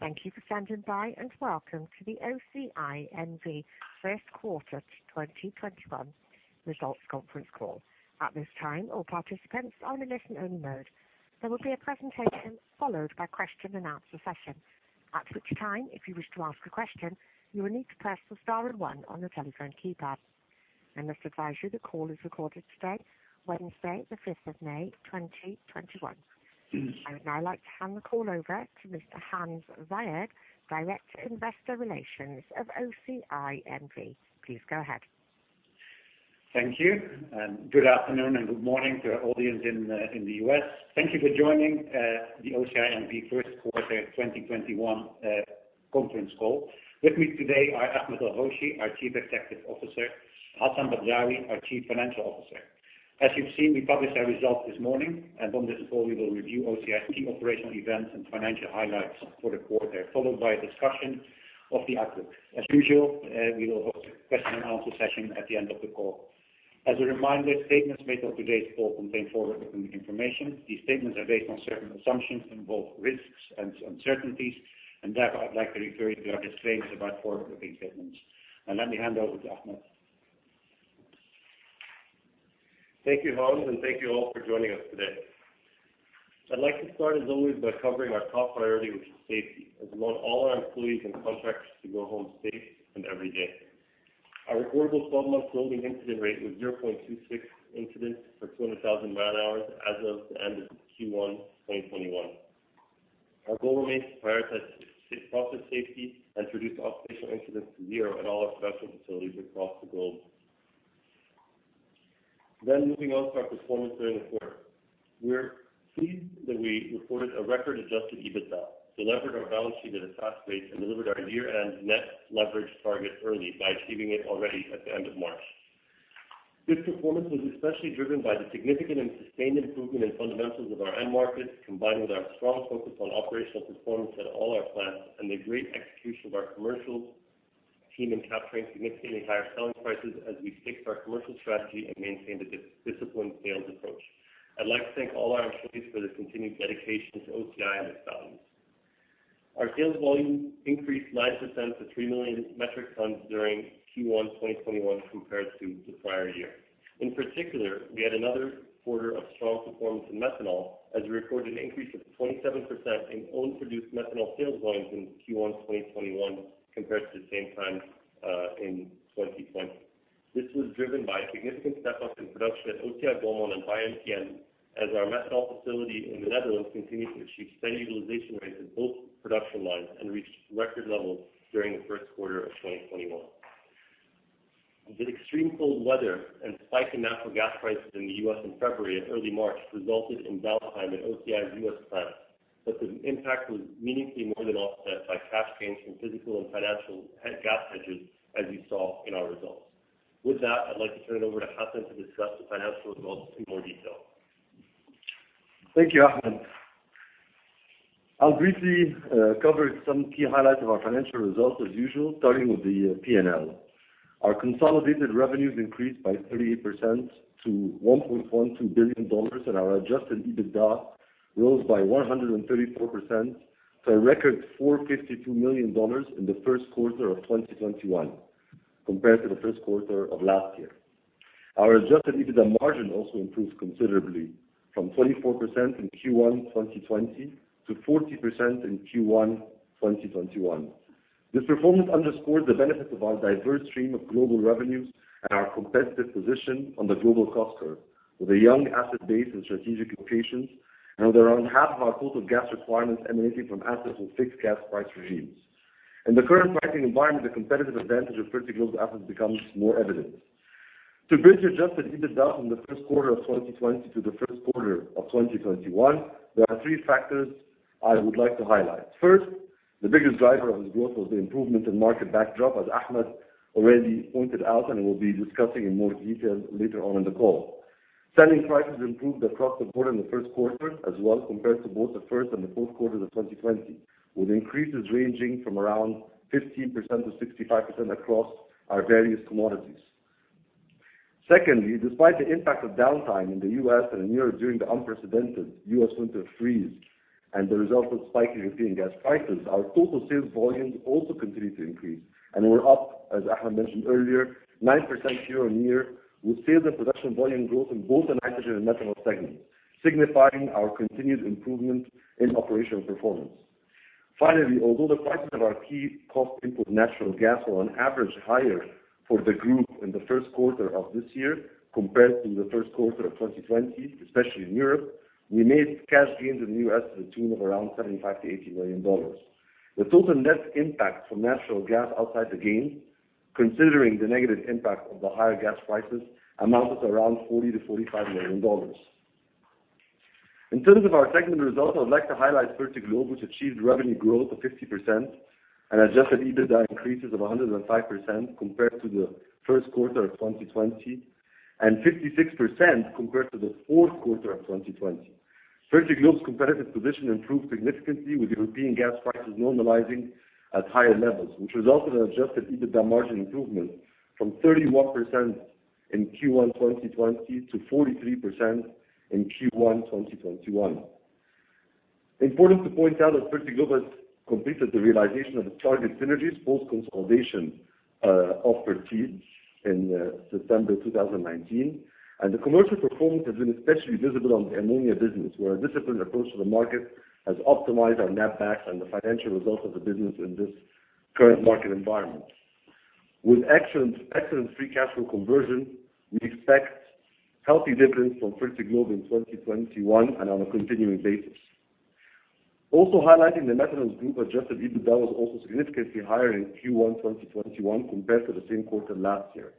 Thank you for standing by, welcome to the OCI N.V. first quarter 2021 results conference call. At this time all participants are on listening mode. There will be a presentation followed by a question and answer session, at which time if you wish to ask a question you will need to press the star and one on your telephone keypad. I must advise you the call is recorded today, Wednesday the 5th of May, 2021. I would now like to hand the call over to Mr. Hans Zayed, Director Investor Relations of OCI N.V. Please go ahead. Thank you. Good afternoon and good morning to our audience in the U.S. Thank you for joining the OCI N.V. first quarter 2021 conference call. With me today are Ahmed El-Hoshy, our Chief Executive Officer, Hassan Badrawi, our Chief Financial Officer. As you've seen, we published our results this morning, and on this call we will review OCI's key operational events and financial highlights for the quarter, followed by a discussion of the outlook. As usual, we will host a question and answer session at the end of the call. As a reminder, statements made on today's call contain forward-looking information. These statements are based on certain assumptions, involve risks and uncertainties, and therefore, I'd like to refer you to our disclaimers about forward-looking statements. Let me hand over to Ahmed. Thank you, Hans. Thank you all for joining us today. I'd like to start, as always, by covering our top priority, which is safety, as we want all our employees and contractors to go home safe and every day. Our reportable 12-month rolling incident rate was 0.26 incidents per 200,000 manhours as of the end of Q1 2021. Our goal remains to prioritize process safety and to reduce operational incidents to zero at all our production facilities across the globe. Moving on to our performance during the quarter. We're pleased that we reported a record adjusted EBITDA, delivered our balance sheet at a fast pace and delivered our year-end net leverage target early by achieving it already at the end of March. This performance was especially driven by the significant and sustained improvement in fundamentals of our end markets, combined with our strong focus on operational performance at all our plants and the great execution of our commercial team in capturing significantly higher selling prices as we stick to our commercial strategy and maintain the disciplined sales approach. I'd like to thank all our employees for their continued dedication to OCI and its values. Our sales volume increased 9% to three million metric tons during Q1 2021 compared to the prior year. In particular, we had another quarter of strong performance in methanol, as we recorded an increase of 27% in own produced methanol sales volumes in Q1 2021 compared to the same time in 2020. This was driven by a significant step up in production at OCI Beaumont and BioMCN, as our methanol facility in the Netherlands continued to achieve steady utilization rates in both production lines and reached record levels during the first quarter of 2021. The extreme cold weather and spike in natural gas prices in the U.S. in February and early March resulted in downtime at OCI's U.S. plant, the impact was meaningfully more than offset by cash gains from physical and financial gas hedges, as you saw in our results. With that, I'd like to turn it over to Hassan to discuss the financial results in more detail. Thank you, Ahmed. I'll briefly cover some key highlights of our financial results as usual, starting with the P&L. Our consolidated revenues increased by 38% to $1.12 billion. Our adjusted EBITDA rose by 134% to a record $452 million in the first quarter of 2021 compared to the first quarter of last year. Our adjusted EBITDA margin also improved considerably from 24% in Q1 2020 to 40% in Q1 2021. This performance underscores the benefits of our diverse stream of global revenues and our competitive position on the global cost curve with a young asset base and strategic locations. With around half of our total gas requirements emanating from assets with fixed gas price regimes. In the current pricing environment, the competitive advantage of Fertiglobe's assets becomes more evident. To bridge adjusted EBITDA from the first quarter of 2020 to the first quarter of 2021, there are three factors I would like to highlight. First, the biggest driver of this growth was the improvement in market backdrop, as Ahmed already pointed out and will be discussing in more detail later on in the call. Selling prices improved across the board in the first quarter as well, compared to both the first and the fourth quarter of 2020, with increases ranging from around 15%-65% across our various commodities. Despite the impact of downtime in the U.S. and in Europe during the unprecedented U.S. winter freeze and the result of spiking European gas prices, our total sales volumes also continued to increase and were up, as Ahmed mentioned earlier, 9% year-on-year, with sales and production volume growth in both the nitrogen and methanol segments, signifying our continued improvement in operational performance. Although the prices of our key cost input, natural gas, were on average higher for the group in the first quarter of this year compared to the first quarter of 2020, especially in Europe, we made cash gains in the U.S. to the tune of around $75 million-$80 million. The total net impact from natural gas outside the gain, considering the negative impact of the higher gas prices, amounted to around $40 million-$45 million. In terms of our segment results, I would like to highlight Fertiglobe, which achieved revenue growth of 50% and adjusted EBITDA increases of 105% compared to the first quarter of 2020 and 56% compared to the fourth quarter of 2020. Fertiglobe's competitive position improved significantly with European gas prices normalizing at higher levels, which resulted in adjusted EBITDA margin improvement from 31% in Q1 2020 to 43% in Q1 2021. Important to point out that Fertiglobe has completed the realization of the target synergies, post consolidation of Fertil in September 2019. The commercial performance has been especially visible on the ammonia business, where a disciplined approach to the market has optimized our netbacks and the financial results of the business in this current market environment. With excellent free cash flow conversion, we expect healthy dividends from Fertiglobe in 2021 and on a continuing basis. Highlighting the Methanol's group adjusted EBITDA was also significantly higher in Q1 2021 compared to the same quarter last year,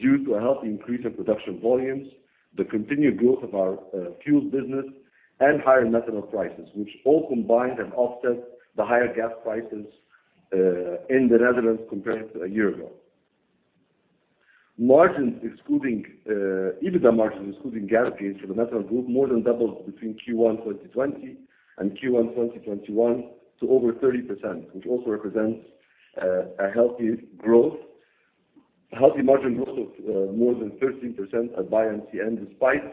due to a healthy increase in production volumes, the continued growth of our fuels business and higher methanol prices, which all combined have offset the higher gas prices in the Netherlands compared to a year ago. EBITDA margins excluding gas gains for the Methanol group more than doubled between Q1 2020 and Q1 2021 to over 30%, which also represents a healthy margin growth of more than 13% at BioMCN, despite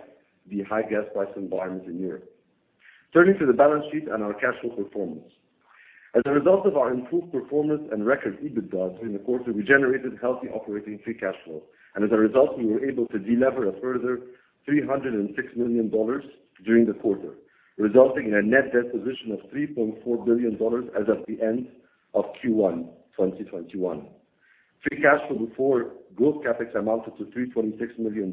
the high gas price environment in Europe. Turning to the balance sheet and our cash flow performance. As a result of our improved performance and record EBITDA during the quarter, we generated healthy operating free cash flow, and as a result, we were able to delever a further $306 million during the quarter, resulting in a net debt position of $3.4 billion as of the end of Q1 2021. Free cash flow before growth CapEx amounted to $346 million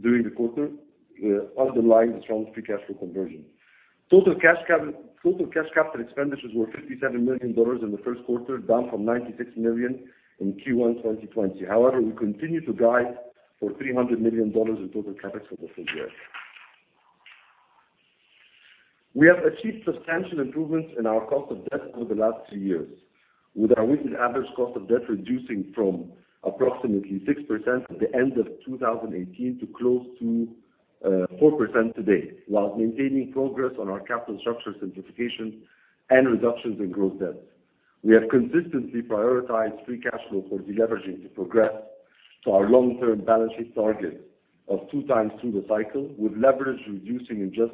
during the quarter, underlying the strong free cash flow conversion. Total cash capital expenditures were $57 million in the first quarter, down from $96 million in Q1 2020. We continue to guide for $300 million in total CapEx for the full year. We have achieved substantial improvements in our cost of debt over the last two years, with our weighted average cost of debt reducing from approximately 6% at the end of 2018 to close to 4% today, while maintaining progress on our capital structure simplification and reductions in gross debt. We have consistently prioritized free cash flow for deleveraging to progress to our long-term balance sheet target of 2x through the cycle, with leverage reducing in the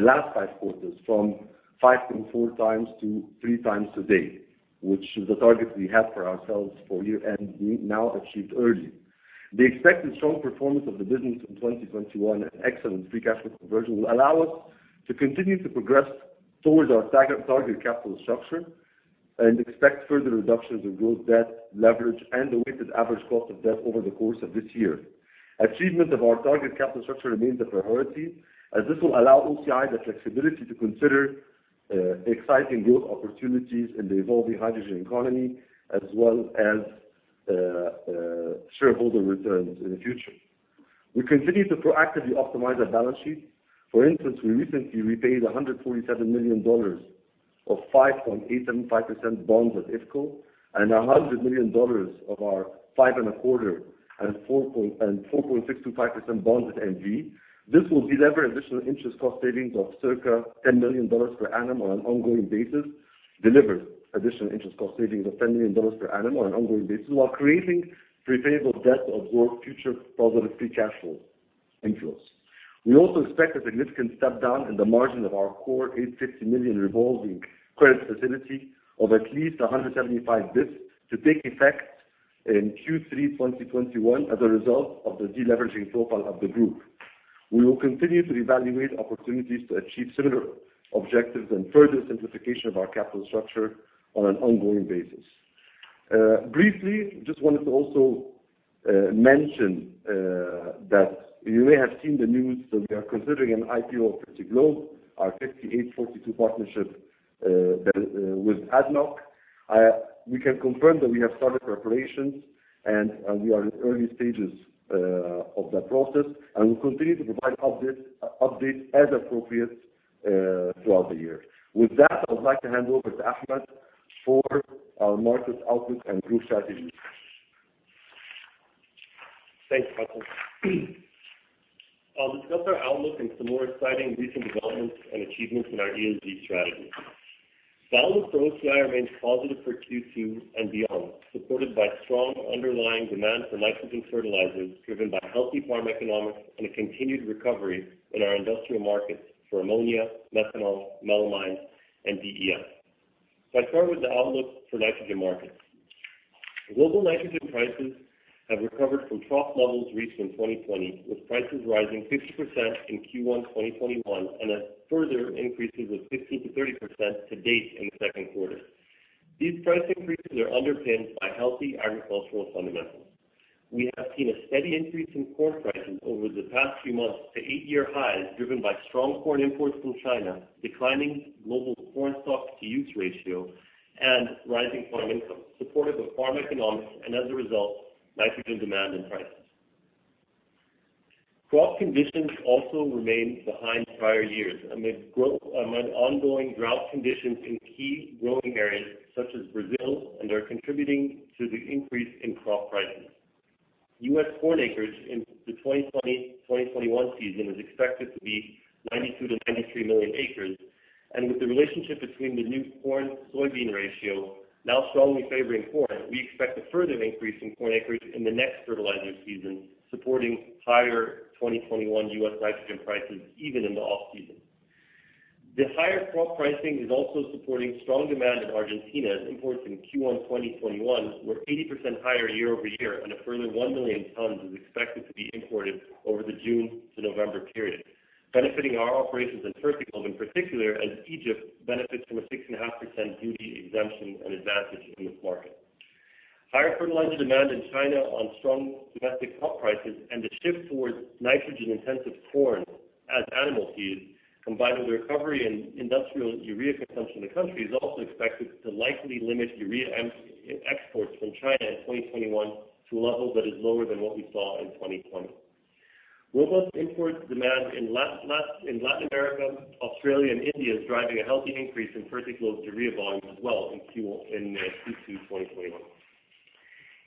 last five quarters from 5.4x-3x today, which is the target we had for ourselves for year end, we now achieved early. The expected strong performance of the business in 2021 and excellent free cash flow conversion will allow us to continue to progress towards our target capital structure and expect further reductions in gross debt, leverage and the weighted average cost of debt over the course of this year. Achievement of our target capital structure remains a priority as this will allow OCI the flexibility to consider exciting growth opportunities in the evolving hydrogen economy as well as shareholder returns in the future. We continue to proactively optimize our balance sheet. For instance, we recently repaid $147 million of 5.875% bonds with IFCo and $100 million of our 5.25% and 4.625% bonds with N.V. This will deliver additional interest cost savings of $10 million per annum on an ongoing basis, while creating repayable debt of future positive free cash flow inflows. We also expect a significant step down in the margin of our core $850 million revolving credit facility of at least 175 bps to take effect in Q3 2021 as a result of the deleveraging profile of the group. We will continue to evaluate opportunities to achieve similar objectives and further simplification of our capital structure on an ongoing basis. Briefly, just wanted to also mention that you may have seen the news that we are considering an IPO of Fertiglobe, our 58/42 partnership with ADNOC. We can confirm that we have started preparations and we are in early stages of that process, and we continue to provide updates as appropriate throughout the year. With that, I would like to hand over to Ahmed for our markets outlook and group strategy. Thanks, Hassan. I'll discuss our outlook and some more exciting recent developments and achievements in our ESG strategy. The outlook for OCI remains positive for Q2 and beyond, supported by strong underlying demand for nitrogen fertilizers, driven by healthy farm economics and a continued recovery in our industrial markets for ammonia, methanol, melamine and DEF. Let's start with the outlook for nitrogen markets. Global nitrogen prices have recovered from trough levels reached in 2020, with prices rising 50% in Q1 2021 and a further increases of 15%-30% to date in the second quarter. These price increases are underpinned by healthy agricultural fundamentals. We have seen a steady increase in corn prices over the past few months to eight-year highs, driven by strong corn imports from China, declining global corn stock-to-use ratio and rising farm income, supportive of farm economics and as a result, nitrogen demand and prices. Crop conditions also remain behind prior years amid ongoing drought conditions in key growing areas such as Brazil, and are contributing to the increase in crop prices. U.S. corn acreage in the 2020/2021 season is expected to be 92-93 million acres. With the relationship between the new corn soybean ratio now strongly favoring corn, we expect a further increase in corn acreage in the next fertilizer season, supporting higher 2021 U.S. nitrogen prices even in the off-season. The higher crop pricing is also supporting strong demand in Argentina, as imports in Q1 2021 were 80% higher year-over-year, and a further one million tons is expected to be imported over the June to November period, benefiting our operations in Fertiglobe, in particular as Egypt benefits from a 6.5% duty exemption and advantage in this market. Higher fertilizer demand in China on strong domestic crop prices and the shift towards nitrogen-intensive corn as animal feed, combined with the recovery in industrial urea consumption in the country, is also expected to likely limit urea exports from China in 2021 to a level that is lower than what we saw in 2020. Robust import demand in Latin America, Australia, and India is driving a healthy increase in Fertiglobe's urea volume as well in Q2 2021.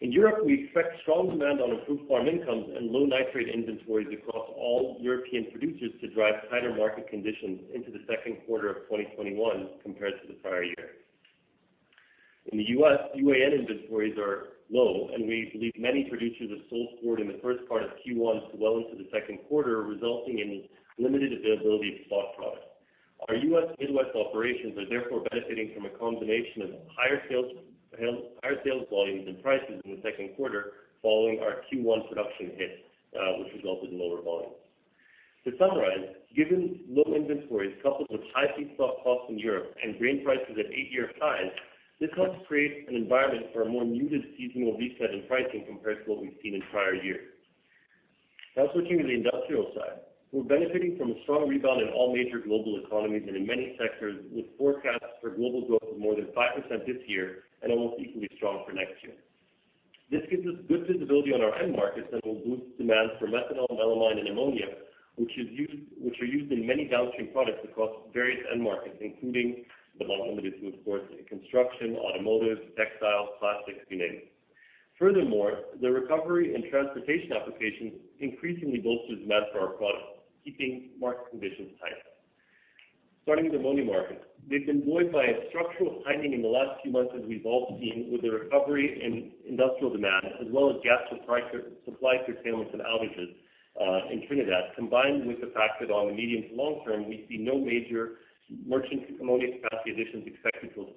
In Europe, we expect strong demand on improved farm incomes and low nitrate inventories across all European producers to drive tighter market conditions into the second quarter of 2021 compared to the prior year. In the U.S., UAN inventories are low, and we believe many producers have sold forward in the first part of Q1 well into the second quarter, resulting in limited availability of spot product. Our U.S. Midwest operations are therefore benefiting from a combination of higher sales volumes and prices in the second quarter following our Q1 production hit, which resulted in lower volumes. To summarize, given low inventories coupled with high feedstock costs in Europe and grain prices at eight-year highs, this helps create an environment for a more muted seasonal reset in pricing compared to what we've seen in prior years. Switching to the industrial side. We're benefiting from a strong rebound in all major global economies and in many sectors with forecasts for global growth of more than 5% this year and almost equally strong for next year. This gives us good visibility on our end markets that will boost demand for methanol, melamine, and ammonia, which are used in many downstream products across various end markets, including but not limited to, of course, construction, automotive, textiles, plastics, you name it. Furthermore, the recovery in transportation applications increasingly bolsters demand for our products, keeping market conditions tight. Starting with ammonia markets. They've been buoyed by a structural tightening in the last few months, as we've all seen with the recovery in industrial demand, as well as gas supply curtailments and outages in Trinidad, combined with the fact that on the medium to long term, we see no major merchant ammonia capacity additions expected till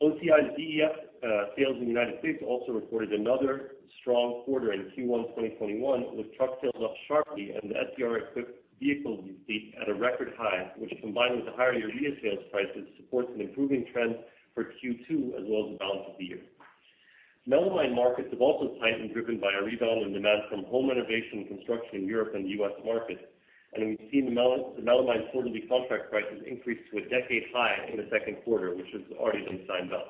2023. OCI's DEF sales in the U.S. also reported another strong quarter in Q1 2021, with truck sales up sharply and the SCR-equipped vehicle fleet at a record high, which combined with the higher urea sales prices, supports an improving trend for Q2 as well as the balance of the year. melamine markets have also tightened, driven by a rebound in demand from home renovation and construction in Europe and the U.S. market. We've seen the melamine quarterly contract prices increase to a decade high in the second quarter, which has already been signed off.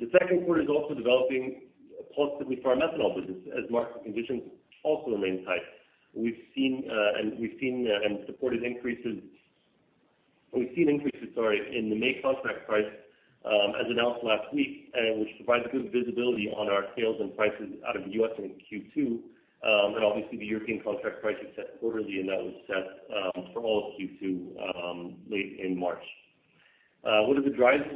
The second quarter is also developing positively for our methanol business, as market conditions also remain tight. We've seen increases in the May contract price, as announced last week, and which provides good visibility on our sales and prices out of the U.S. in Q2. Obviously the European contract price is set quarterly, and that was set for all of Q2 late in March. What are the drivers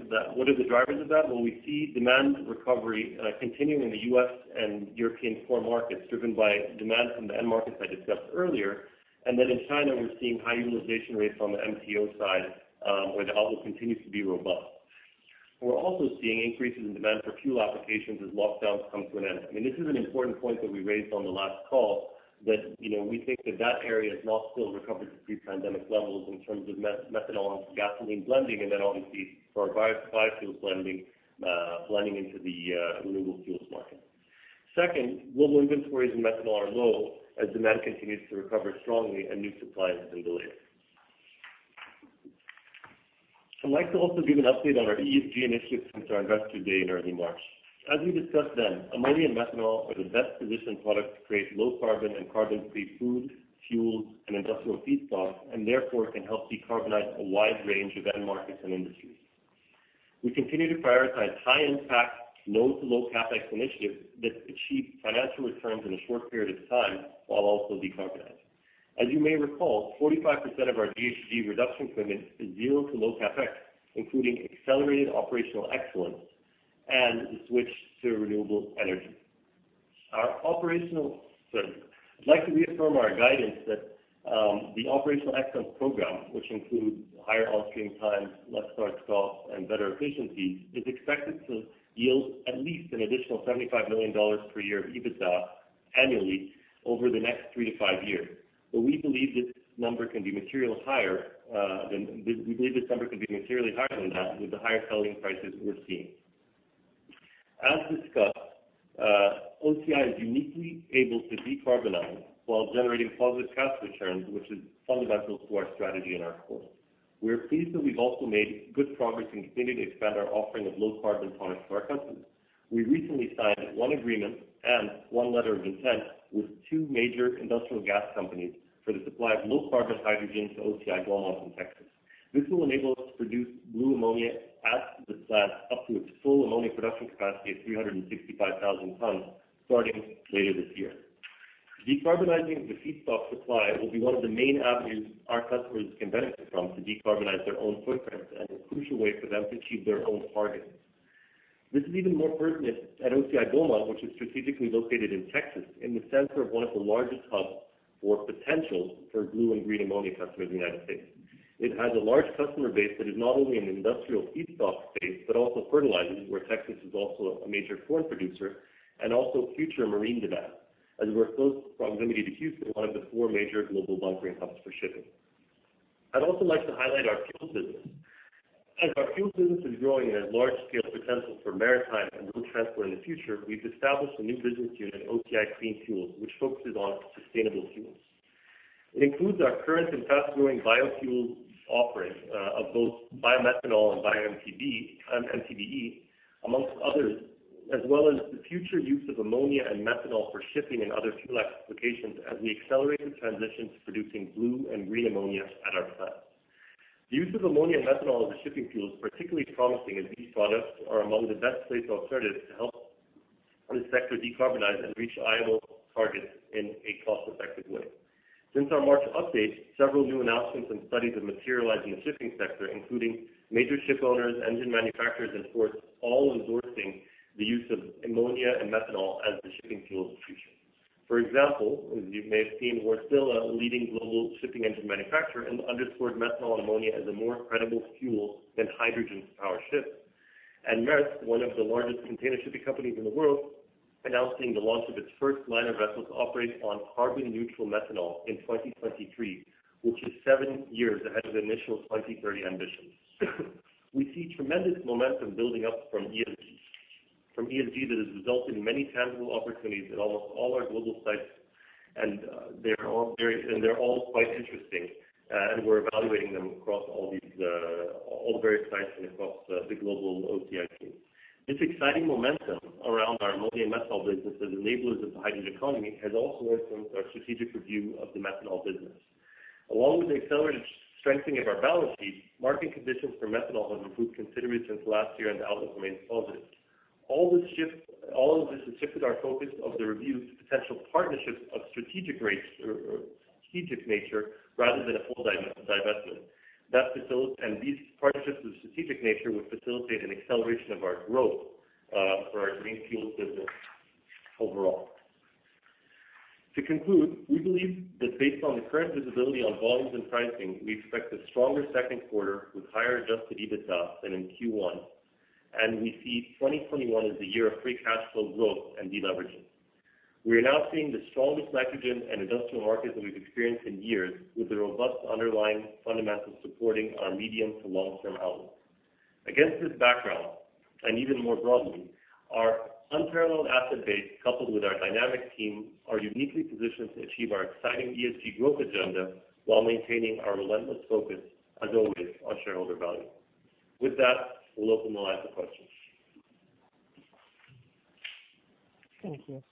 of that? We see demand recovery continuing in the U.S. and European core markets, driven by demand from the end markets I discussed earlier. In China, we're seeing high utilization rates on the MTO side, where the outlook continues to be robust. We're also seeing increases in demand for fuel applications as lockdowns come to an end. I mean, this is an important point that we raised on the last call that we think that that area has not still recovered to pre-pandemic levels in terms of methanol and gasoline blending, and then obviously for our biofuels blending into the renewable fuels market. Second, global inventories in methanol are low as demand continues to recover strongly and new supply has been delayed. I'd like to also give an update on our ESG initiatives since our Investor Day in early March. As we discussed then, ammonia and methanol are the best-positioned products to create low carbon and carbon-free food, fuels, and industrial feedstocks, and therefore can help decarbonize a wide range of end markets and industries. We continue to prioritize high impact, no to low CapEx initiatives that achieve financial returns in a short period of time while also decarbonizing. As you may recall, 45% of our GHG reduction commitment is zero to low CapEx, including accelerated operational excellence and the switch to renewable energy. I'd like to reaffirm our guidance that the Operational Excellence Program, which includes higher off-stream times, less start costs, and better efficiencies, is expected to yield at least an additional $75 million per year EBITDA annually over the next three to five years. We believe this number can be materially higher than that with the higher selling prices we're seeing. As discussed, OCI is uniquely able to decarbonize while generating positive cash returns, which is fundamental to our strategy and our course. We are pleased that we've also made good progress in continuing to expand our offering of low carbon products to our customers. We recently signed one agreement and one letter of intent with two major industrial gas companies for the supply of low carbon hydrogen to OCI Beaumont in Texas. This will enable us to produce blue ammonia at the plant up to its full ammonia production capacity of 365,000 tons starting later this year. Decarbonizing the feedstock supply will be one of the main avenues our customers can benefit from to decarbonize their own footprints and a crucial way for them to achieve their own targets. This is even more pertinent at OCI Beaumont, which is strategically located in Texas, in the center of one of the largest hubs for potential for blue and green ammonia customers in the United States. It has a large customer base that is not only in the industrial feedstock space, but also fertilizers, where Texas is also a major foreign producer, and also future marine demand, and we're in close proximity to Houston, one of the four major global bunkering hubs for shipping. I'd also like to highlight our fuels business. As our fuels business is growing and has large-scale potential for maritime and road transport in the future, we've established a new business unit, OCI Clean Fuels, which focuses on sustainable fuels. It includes our current and fast-growing biofuels offerings of both bio-methanol and bio-MTBE, among others, as well as the future use of ammonia and methanol for shipping and other fuel applications as we accelerate the transition to producing blue and green ammonia at our plants. The use of ammonia and methanol as a shipping fuel is particularly promising, as these products are among the best-placed alternatives to help the sector decarbonize and reach IMO targets in a cost-effective way. Since our March update, several new announcements and studies are materializing in the shipping sector, including major ship owners, engine manufacturers, and ports, all endorsing the use of ammonia and methanol as the shipping fuels of the future. For example, as you may have seen, Wärtsilä a leading global shipping engine manufacturer, has underscored methanol and ammonia as a more credible fuel than hydrogen to power ships. Maersk, one of the largest container shipping companies in the world, announcing the launch of its first line of vessels operating on carbon-neutral methanol in 2023, which is seven years ahead of initial 2030 ambitions. We see tremendous momentum building up from ESG that has resulted in many tangible opportunities at almost all our global sites. They're all quite interesting, and we're evaluating them across all the various sites and across the global OCI team. This exciting momentum around our ammonia and methanol business as enablers of the hydrogen economy has also influenced our strategic review of the methanol business. Along with the accelerated strengthening of our balance sheet, market conditions for methanol have improved considerably since last year, and the outlook remains positive. All of this has shifted our focus of the review to potential partnerships of strategic nature rather than a full divestment. These partnerships of strategic nature would facilitate an acceleration of our growth for our green fuels business overall. To conclude, we believe that based on the current visibility on volumes and pricing, we expect a stronger second quarter with higher adjusted EBITDA than in Q1, and we see 2021 as a year of free cash flow growth and deleveraging. We are now seeing the strongest nitrogen and industrial markets that we have experienced in years, with the robust underlying fundamentals supporting our medium to long-term outlook. Against this background, and even more broadly, our unparalleled asset base, coupled with our dynamic team, are uniquely positioned to achieve our exciting ESG growth agenda while maintaining our relentless focus, as always, on shareholder value. With that, we will open the line for questions. Thank you.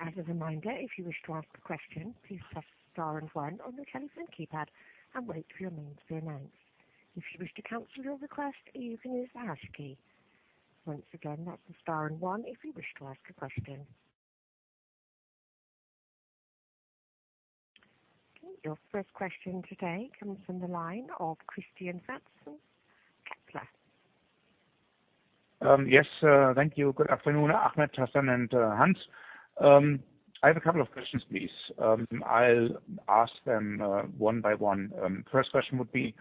As a reminder, if you wish to ask a question please, press star and one on your telephone keypad and wait to announce your name, if you wish to cancel your request you can use the hash key. Once again press the star one if you wish to ask a question. Your first question today comes from the line of Christian Faitz, Kepler. Yes. Thank you. Good afternoon, Ahmed, Hassan, and Hans. I have a couple of questions, please. I'll ask them one by one. First question would be: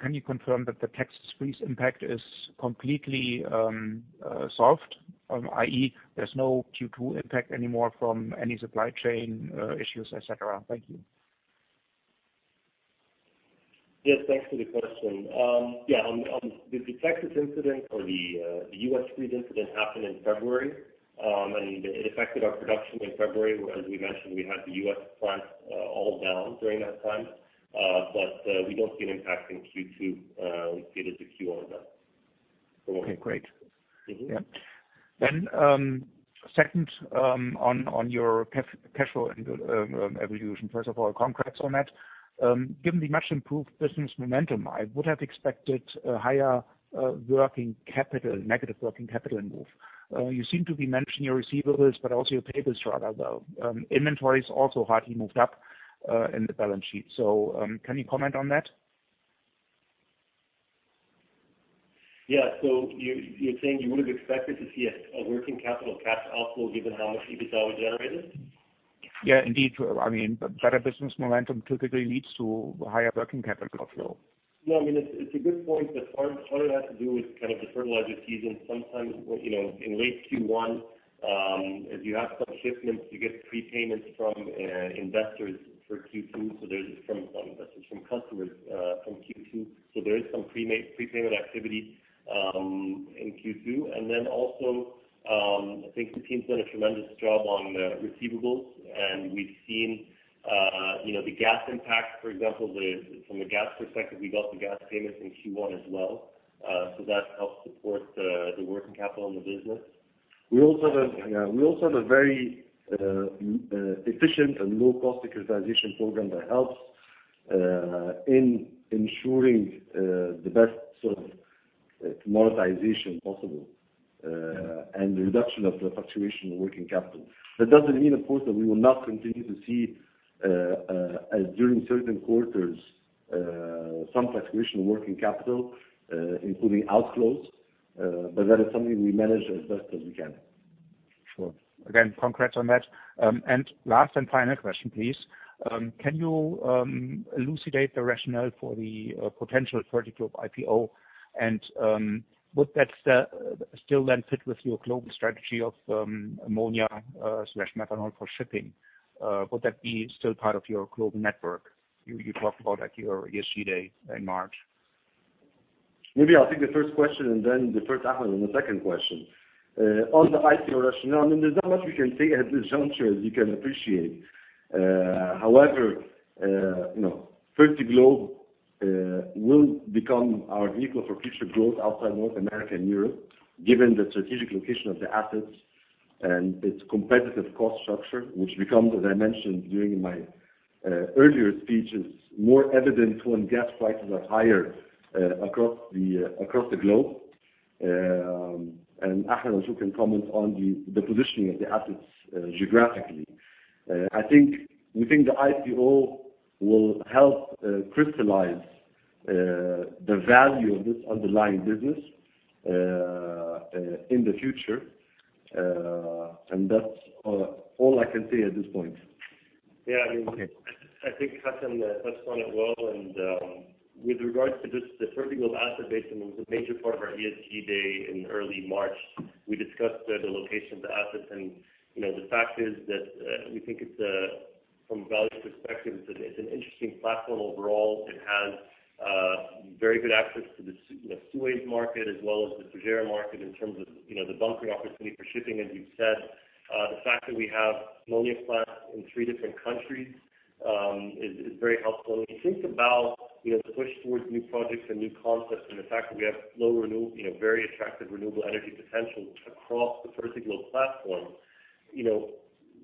Can you confirm that the Texas freeze impact is completely solved, i.e., there's no Q2 impact anymore from any supply chain issues, et cetera? Thank you. Yes. Thanks for the question. Yeah. The Texas incident or the U.S. freeze incident happened in February. It affected our production in February. As we mentioned, we had the U.S. plants all down during that time. We don't see an impact in Q2 related to Q1 event. Okay. Great. Yeah. Second, on your cash flow evolution. First of all, congrats on that. Given the much-improved business momentum, I would have expected a higher negative working capital move. You seem to be mentioning your receivables, but also your payables are up, though. Inventories also hardly moved up in the balance sheet. Can you comment on that? Yeah. You're saying you would have expected to see a working capital cash outflow given how much EBITDA we generated? Yeah, indeed. Better business momentum typically leads to higher working capital outflow. No, it's a good point, but part of it has to do with the fertilizer season. Sometimes, in late Q1, as you have some shipments, you get prepayments from investors for Q2, from investors, from customers, from Q2. There is some prepayment activity in Q2. Also, I think the team's done a tremendous job on receivables, and we've seen the gas impact, for example. From a gas perspective, we got the gas payments in Q1 as well. That helps support the working capital in the business. We also have a very efficient and low-cost equalization program that helps in ensuring the best sort of monetization possible, and the reduction of the fluctuation of working capital. That doesn't mean, of course, that we will not continue to see as during certain quarters, some fluctuation in working capital, including outflows, but that is something we manage as best as we can. Sure. Again, congrats on that. Last and final question, please. Can you elucidate the rationale for the potential Fertiglobe IPO? Would that still then fit with your global strategy of ammonia/methanol for shipping? Would that be still part of your global network? You talked about that on your ESG day in March. Maybe I'll take the first question and then defer to Ahmed on the second question. On the IPO rationale, there's not much we can say at this juncture, as you can appreciate. However, Fertiglobe will become our vehicle for future growth outside North America and Europe, given the strategic location of the assets and its competitive cost structure, which becomes, as I mentioned during my earlier speeches, more evident when gas prices are higher across the globe. Ahmed also can comment on the positioning of the assets geographically. We think the IPO will help crystallize the value of this underlying business in the future. That's all I can say at this point. Yeah. Okay. I think Hassan touched on it well, with regards to just the Fertiglobe asset base, it was a major part of our ESG day in early March. We discussed the location of the assets, the fact is that we think from a value perspective, it's an interesting platform overall. It has very good access to the Suez market as well as the Fujairah market in terms of the bunkering opportunity for shipping, as you've said. The fact that we have ammonia plants in three different countries is very helpful. When we think about the push towards new projects and new concepts and the fact that we have very attractive renewable energy potential across the Fertiglobe platform.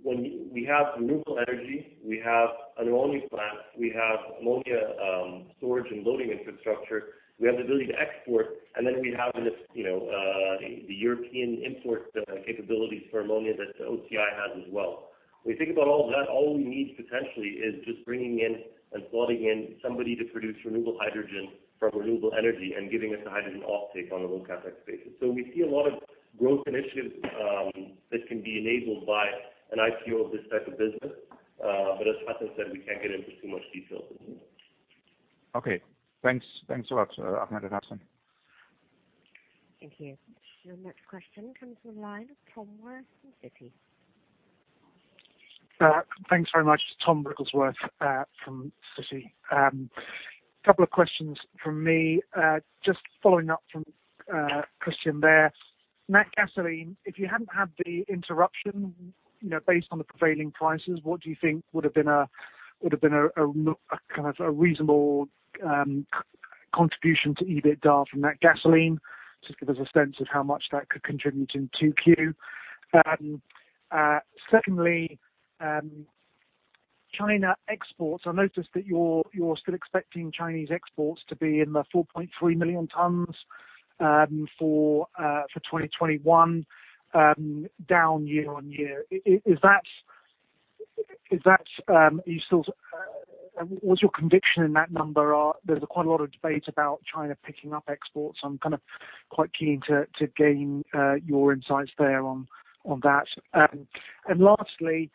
When we have renewable energy, we have an ammonia plant, we have ammonia storage and loading infrastructure, we have the ability to export, and then we have the European import capabilities for ammonia that OCI has as well. When we think about all of that, all we need potentially is just bringing in and slotting in somebody to produce renewable hydrogen from renewable energy and giving us the hydrogen offtake on a long cash basis. We see a lot of growth initiatives that can be enabled by an IPO of this type of business. As Hassan said, we can't get into too much detail today. Okay. Thanks a lot, Ahmed and Hassan. Thank you. Your next question comes from the line of Thomas from Citi. Thanks very much. Tom Wrigglesworth from Citi. Couple of questions from me. Just following up from Christian there. Natgasoline, if you hadn't had the interruption, based on the prevailing prices, what do you think would've been a reasonable contribution to EBITDA from Natgasoline? Just to give us a sense of how much that could contribute in 2Q. Secondly, China exports. I noticed that you're still expecting Chinese exports to be in the 4.3 million tons for 2021, down year-on-year. What's your conviction in that number? There's quite a lot of debate about China picking up exports. I'm quite keen to gain your insights there on that. Lastly,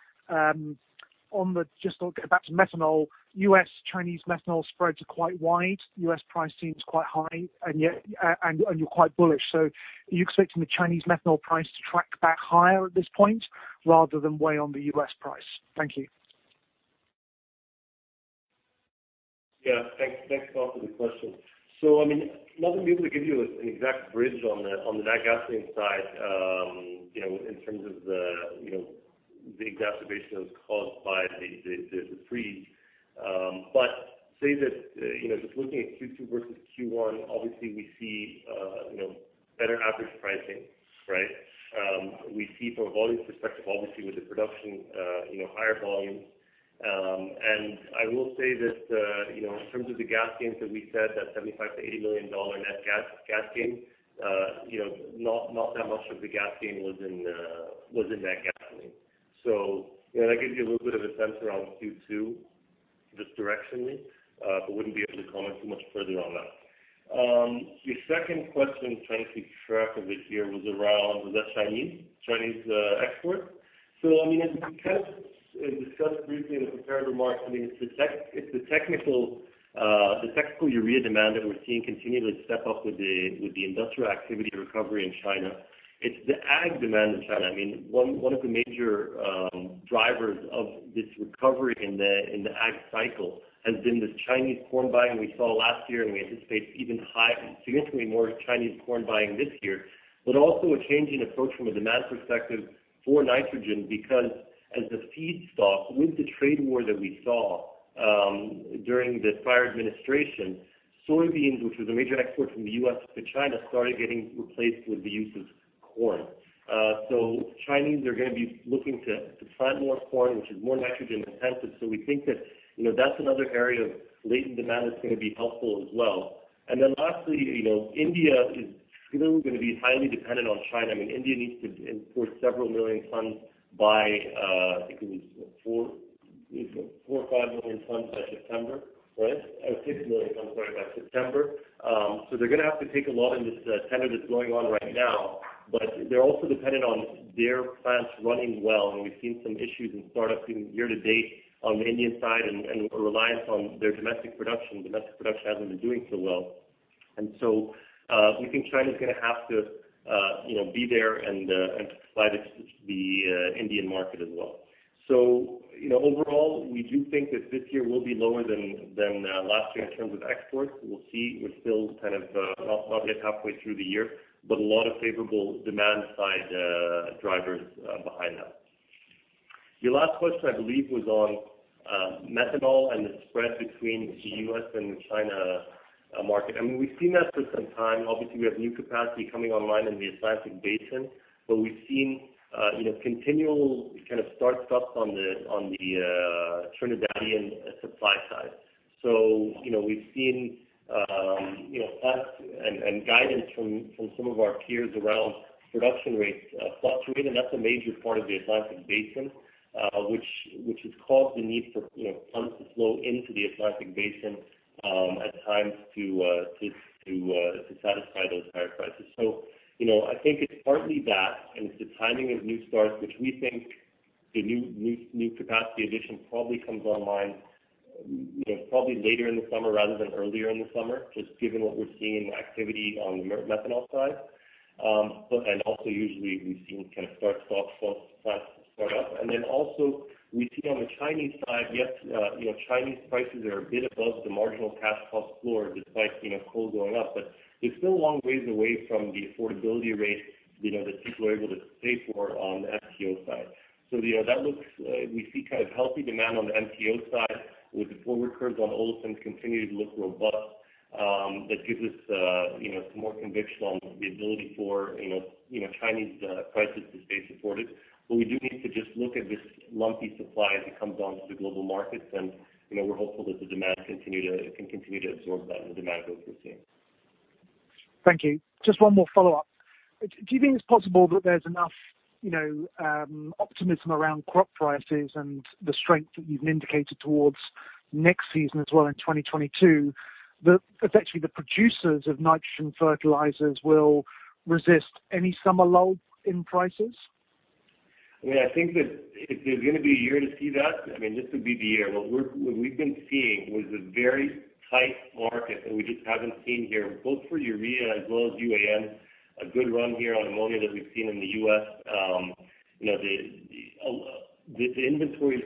just going back to methanol, U.S. Chinese methanol spreads are quite wide. U.S. price seems quite high, and you're quite bullish. Are you expecting the Chinese methanol price to track back higher at this point rather than weigh on the U.S. price? Thank you. Thanks a lot for the question. I'm not going to be able to give you an exact bridge on the Natgasoline side, in terms of the exacerbation that was caused by the freeze. Say that, just looking at Q2 versus Q1, obviously we see better average pricing, right? We see from a volume perspective, obviously with the production, higher volumes. I will say that, in terms of the gas gains that we said, that $75 million-$80 million net gas gain, not that much of the gas gain was in Natgasoline. That gives you a little bit of a sense around Q2, just directionally, wouldn't be able to comment too much further on that. Your second question, trying to keep track of it here, was around Chinese export. As we discussed briefly in the prepared remarks, it's the technical urea demand that we're seeing continually step up with the industrial activity recovery in China. It's the ag demand in China. One of the major drivers of this recovery in the ag cycle has been this Chinese corn buying we saw last year, and we anticipate even significantly more Chinese corn buying this year. Also a changing approach from a demand perspective for nitrogen because as the feedstock with the trade war that we saw, during this prior administration, soybeans, which was a major export from the U.S. to China, started getting replaced with the use of corn. Chinese are going to be looking to plant more corn, which is more nitrogen intensive. We think that that's another area of latent demand that's going to be helpful as well. Lastly, India is clearly going to be highly dependent on China. India needs to import several million tons by, I think it was four or five million tons by September, right? Or six million tons, sorry, by September. They're going to have to take a lot in this tender that's going on right now, but they're also dependent on their plants running well. We've seen some issues in startups in year to date on the Indian side and reliance on their domestic production. Domestic production hasn't been doing so well. We think China's going to have to be there and supply the Indian market as well. Overall, we do think that this year will be lower than last year in terms of exports. We'll see. We're still not yet halfway through the year, but a lot of favorable demand-side drivers behind that. Your last question, I believe, was on methanol and the spread between the U.S. and China market. We've seen that for some time. Obviously, we have new capacity coming online in the Atlantic Basin, we've seen continual kind of start-stops on the Trinidadian supply side. We've seen plants and guidance from some of our peers around production rates fluctuating. That's a major part of the Atlantic Basin, which has caused the need for tons to flow into the Atlantic Basin at times to satisfy those higher prices. I think it's partly that, and it's the timing of new starts which we think the new capacity addition probably comes online probably later in the summer rather than earlier in the summer, just given what we're seeing in activity on the methanol side. Also usually we've seen kind of start-stop plants start up. Also we see on the Chinese side, yes, Chinese prices are a bit above the marginal cash cost floor despite coal going up. They're still a long ways away from the affordability rate that people are able to pay for on the MTO side. We see healthy demand on the MTO side with the forward curves on olefins continuing to look robust. That gives us some more conviction on the ability for Chinese prices to stay supported. We do need to just look at this lumpy supply as it comes onto the global markets, and we're hopeful that the demand can continue to absorb that the demand growth we're seeing. Thank you. Just one more follow-up. Do you think it's possible that there's enough optimism around crop prices and the strength that you've indicated towards next season as well in 2022, that effectively the producers of nitrogen fertilizers will resist any summer lull in prices? I think that if there's going to be a year to see that, this would be the year. What we've been seeing was a very tight market that we just haven't seen here, both for urea as well as UAN, a good run here on ammonia that we've seen in the U.S. The inventories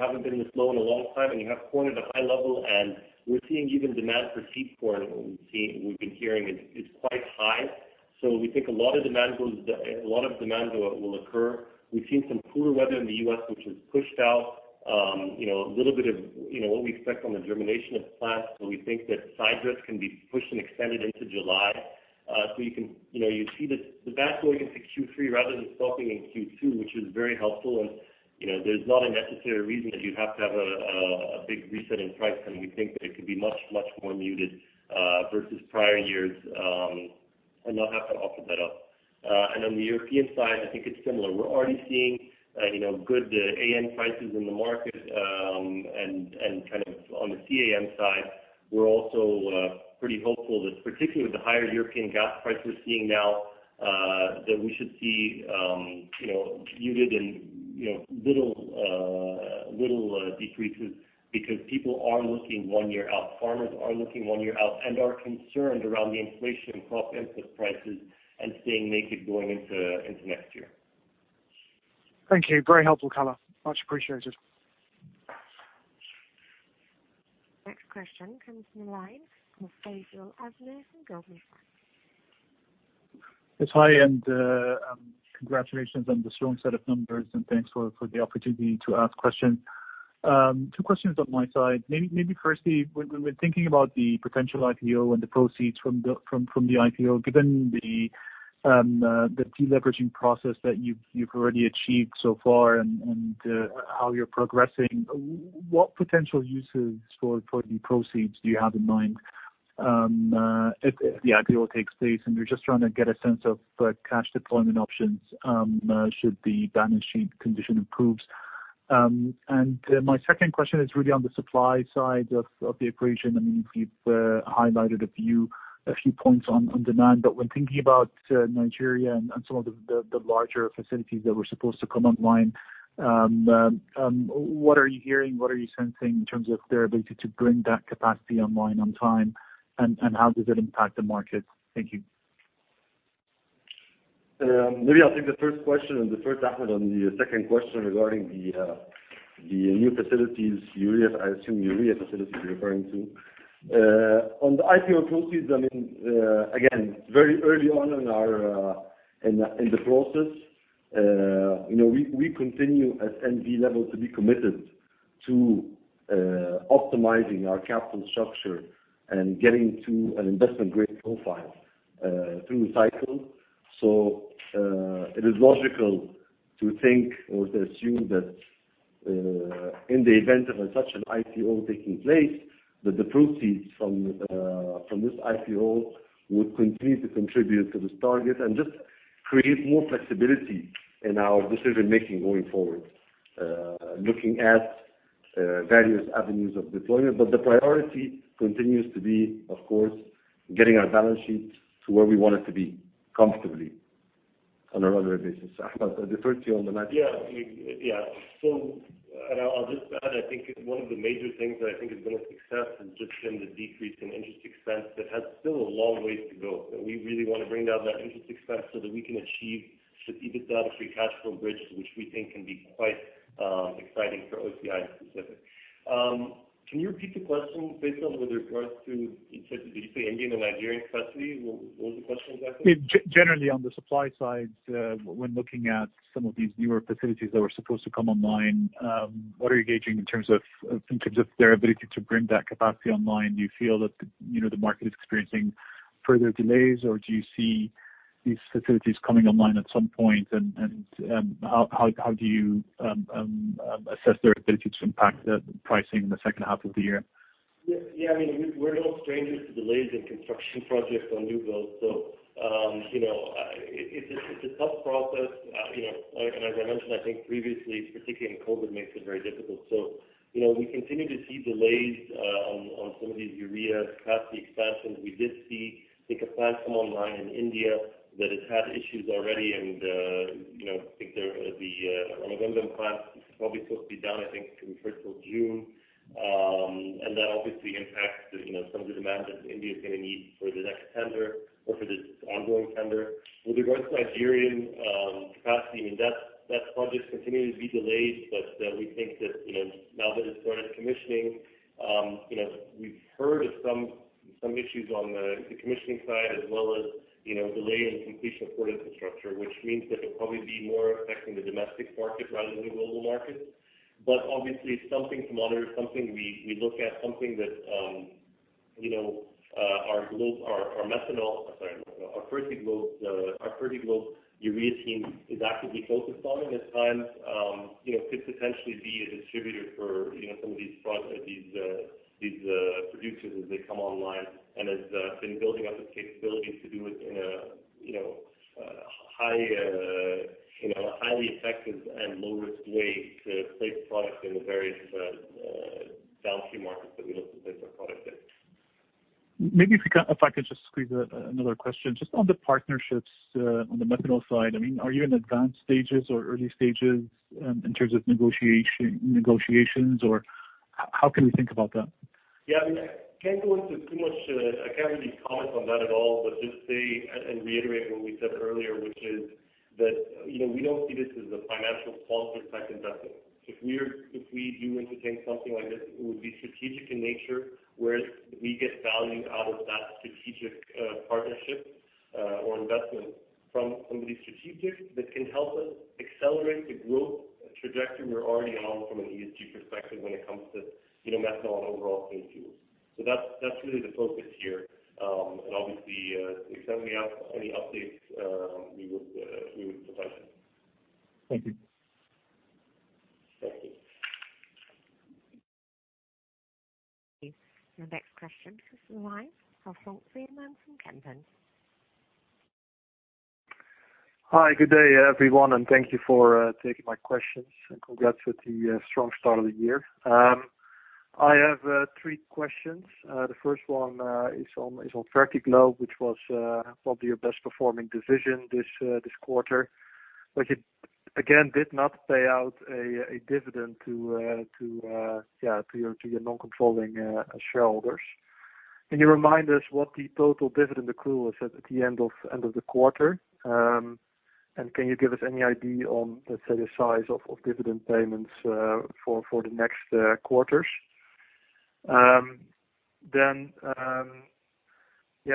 haven't been this low in a long time, and you have corn at a high level, and we're seeing even demand for seed corn. We've been hearing it's quite high. We think a lot of demand will occur. We've seen some cooler weather in the U.S., which has pushed out a little bit of what we expect on the germination of plants. We think that side risk can be pushed and extended into July. You see the best way going into Q3 rather than stopping in Q2, which is very helpful. There's not a necessary reason that you have to have a big reset in price. We think that it could be much, much more muted versus prior years and not have to offer that up. On the European side, I think it's similar. We're already seeing good AN prices in the market. On the CAN side, we're also pretty hopeful that particularly with the higher European gas price we're seeing now, that we should see muted and little decreases because people are looking one year out. Farmers are looking one year out and are concerned around the inflation in crop input prices and seeing maybe going into next year. Thank you. Very helpful, color. Much appreciated. Next question comes from the line from Faisal Azmeh from Goldman Sachs. Yes, hi. Congratulations on the strong set of numbers and thanks for the opportunity to ask questions. Two questions on my side. Maybe firstly, when we're thinking about the potential IPO and the proceeds from the IPO, given the de-leveraging process that you've already achieved so far and how you're progressing, what potential uses for the proceeds do you have in mind if the IPO takes place? We're just trying to get a sense of cash deployment options should the balance sheet condition improves. My second question is really on the supply side of the equation. You've highlighted a few points on demand, but when thinking about Nigeria and some of the larger facilities that were supposed to come online, what are you hearing? What are you sensing in terms of their ability to bring that capacity online on time, and how does it impact the market? Thank you. Maybe I'll take the first question and defer to Ahmed on the second question regarding the new facilities, I assume urea facilities you're referring to. On the IPO proceeds, again, very early on in the process. We continue at N.V. level to be committed. To optimizing our capital structure and getting to an investment-grade profile through the cycle. It is logical to think or to assume that in the event of such an IPO taking place, that the proceeds from this IPO would continue to contribute to this target and just create more flexibility in our decision-making going forward, looking at various avenues of deployment. The priority continues to be, of course, getting our balance sheet to where we want it to be comfortably on a run-rate basis. Ahmed, I defer to you on the matter. Yeah. I'll just add, I think one of the major things that I think has been a success has just been the decrease in interest expense that has still a long ways to go. We really want to bring down that interest expense so that we can achieve some EBITDA free cash flow bridge, which we think can be quite exciting for OCI specific. Can you repeat the question, based on with regards to, did you say Indian and Nigerian custody? What was the question exactly? Generally, on the supply side, when looking at some of these newer facilities that were supposed to come online, what are you gauging in terms of their ability to bring that capacity online? Do you feel that the market is experiencing further delays, or do you see these facilities coming online at some point, and how do you assess their ability to impact the pricing in the second half of the year? Yeah, we're no strangers to delays in construction projects on new builds. It's a tough process. As I mentioned, I think previously, particularly in COVID, makes it very difficult. We continue to see delays on some of these urea capacity expansions. We did see, I think, a plant come online in India that has had issues already. I think the Ramagundam plant is probably supposed to be down, I think, until the first of June. That obviously impacts some of the demand that India is going to need for the next tender or for this ongoing tender. With regards to Nigerian capacity, that project continues to be delayed. We think that now that it's started commissioning, we've heard of some issues on the commissioning side as well as delay in completion of port infrastructure, which means that it'll probably be more affecting the domestic market rather than the global market. Obviously something to monitor, something we look at, something that our Fertiglobe urea team is actively focused on and at times could potentially be a distributor for some of these producers as they come online and has been building up its capabilities to do it in a highly effective and low-risk way to place product in the various downstream markets that we look to place our product in. Maybe if I could just squeeze another question. Just on the partnerships on the methanol side, are you in advanced stages or early stages in terms of negotiations, or how can we think about that? I can't go into too much. I can't really comment on that at all, but just say and reiterate what we said earlier, which is that we don't see this as a financial positive type investment. If we do entertain something like this, it would be strategic in nature, whereas we get value out of that strategic partnership or investment from somebody strategic that can help us accelerate the growth trajectory we're already on from an ESG perspective when it comes to methanol and overall clean fuels. That's really the focus here. Obviously, if there's any updates, we would provide them. Thank you. Thank you. The next question is from the line of [Henk] Veerman from Kempen. Hi, good day, everyone. Thank you for taking my questions. Congrats with the strong start of the year. I have three questions. The first one is on Fertiglobe, which was probably your best-performing division this quarter. You, again, did not pay out a dividend to your non-controlling shareholders. Can you remind us what the total dividend accrual was at the end of the quarter? Can you give us any idea on, let's say, the size of dividend payments for the next quarters?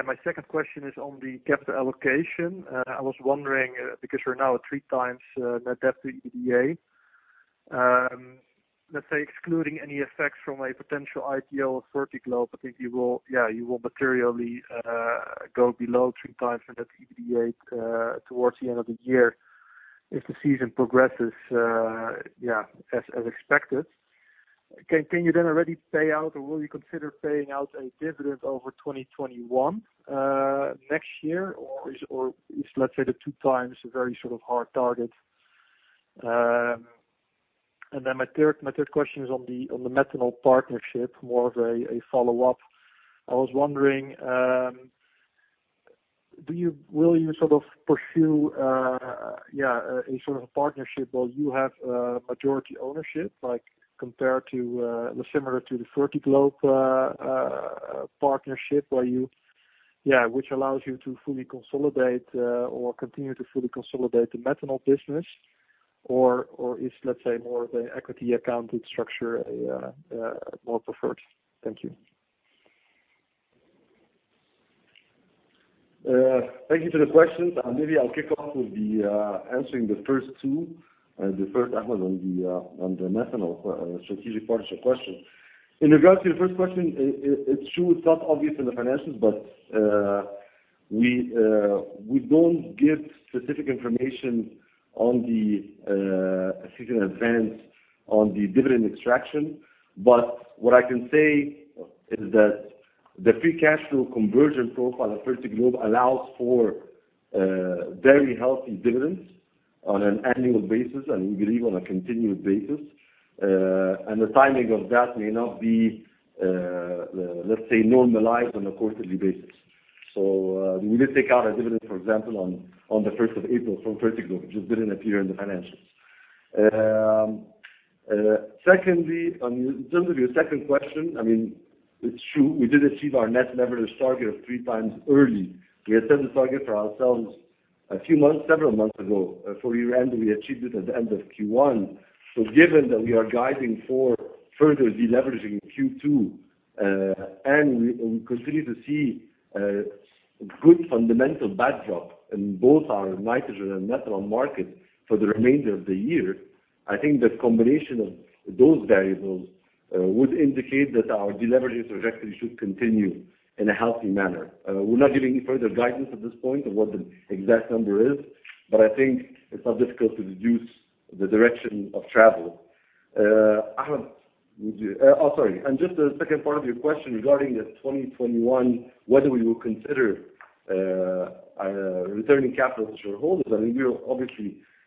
My second question is on the capital allocation. I was wondering because you're now at 3x net debt to EBITDA. Let's say excluding any effects from a potential IPO of Fertiglobe, I think you will materially go below 3x net debt to EBITDA towards the end of the year if the season progresses as expected. Can you then already pay out, or will you consider paying out a dividend over 2021, next year, or is, let's say, the 2x a very sort of hard target? My third question is on the methanol partnership, more of a follow-up. I was wondering will you sort of pursue a sort of partnership where you have a majority ownership, similar to the Fertiglobe partnership, which allows you to fully consolidate or continue to fully consolidate the methanol business, or is, let's say, more of an equity accounted structure more preferred? Thank you. Thank you for the questions. Maybe I'll kick off with answering the first two. The first, Ahmed, on the methanol strategic partnership question. In regards to your first question, it's true it's not obvious in the financials, but we don't give specific information on the season advance on the dividend extraction. What I can say is that the free cash flow conversion profile of Fertiglobe allows for very healthy dividends on an annual basis, and we believe on a continued basis. The timing of that may not be, let's say, normalized on a quarterly basis. We did take out a dividend, for example, on the 1st of April from Fertiglobe, which just didn't appear in the financials. Secondly, in terms of your second question, it's true, we did achieve our net leverage target 3x early. We had set the target for ourselves several months ago. Given that we are guiding for further deleveraging in Q2, and we continue to see good fundamental backdrop in both our nitrogen and methanol markets for the remainder of the year, I think the combination of those variables would indicate that our deleveraging trajectory should continue in a healthy manner. We are not giving any further guidance at this point of what the exact number is, but I think it is not difficult to deduce the direction of travel. Ahmed, would you. Just the second part of your question regarding the 2021, whether we will consider returning capital to shareholders.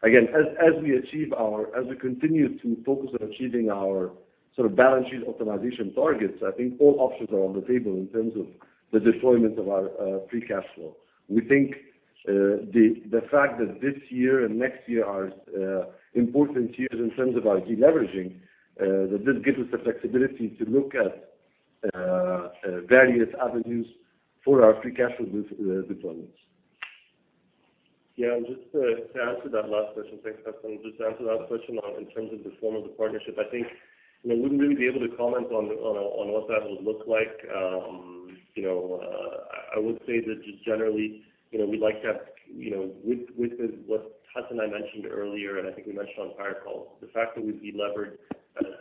Again, as we continue to focus on achieving our sort of balance sheet optimization targets, I think all options are on the table in terms of the deployment of our free cash flow. We think the fact that this year and next year are important years in terms of our deleveraging, that this gives us the flexibility to look at various avenues for our free cash flow deployments. Just to add to that last question. Thanks, Hassan. Just to answer that question in terms of the form of the partnership, I think we wouldn't really be able to comment on what that would look like. I would say that just generally, with what Hassan mentioned earlier, and I think we mentioned on the prior call, the fact that we've delevered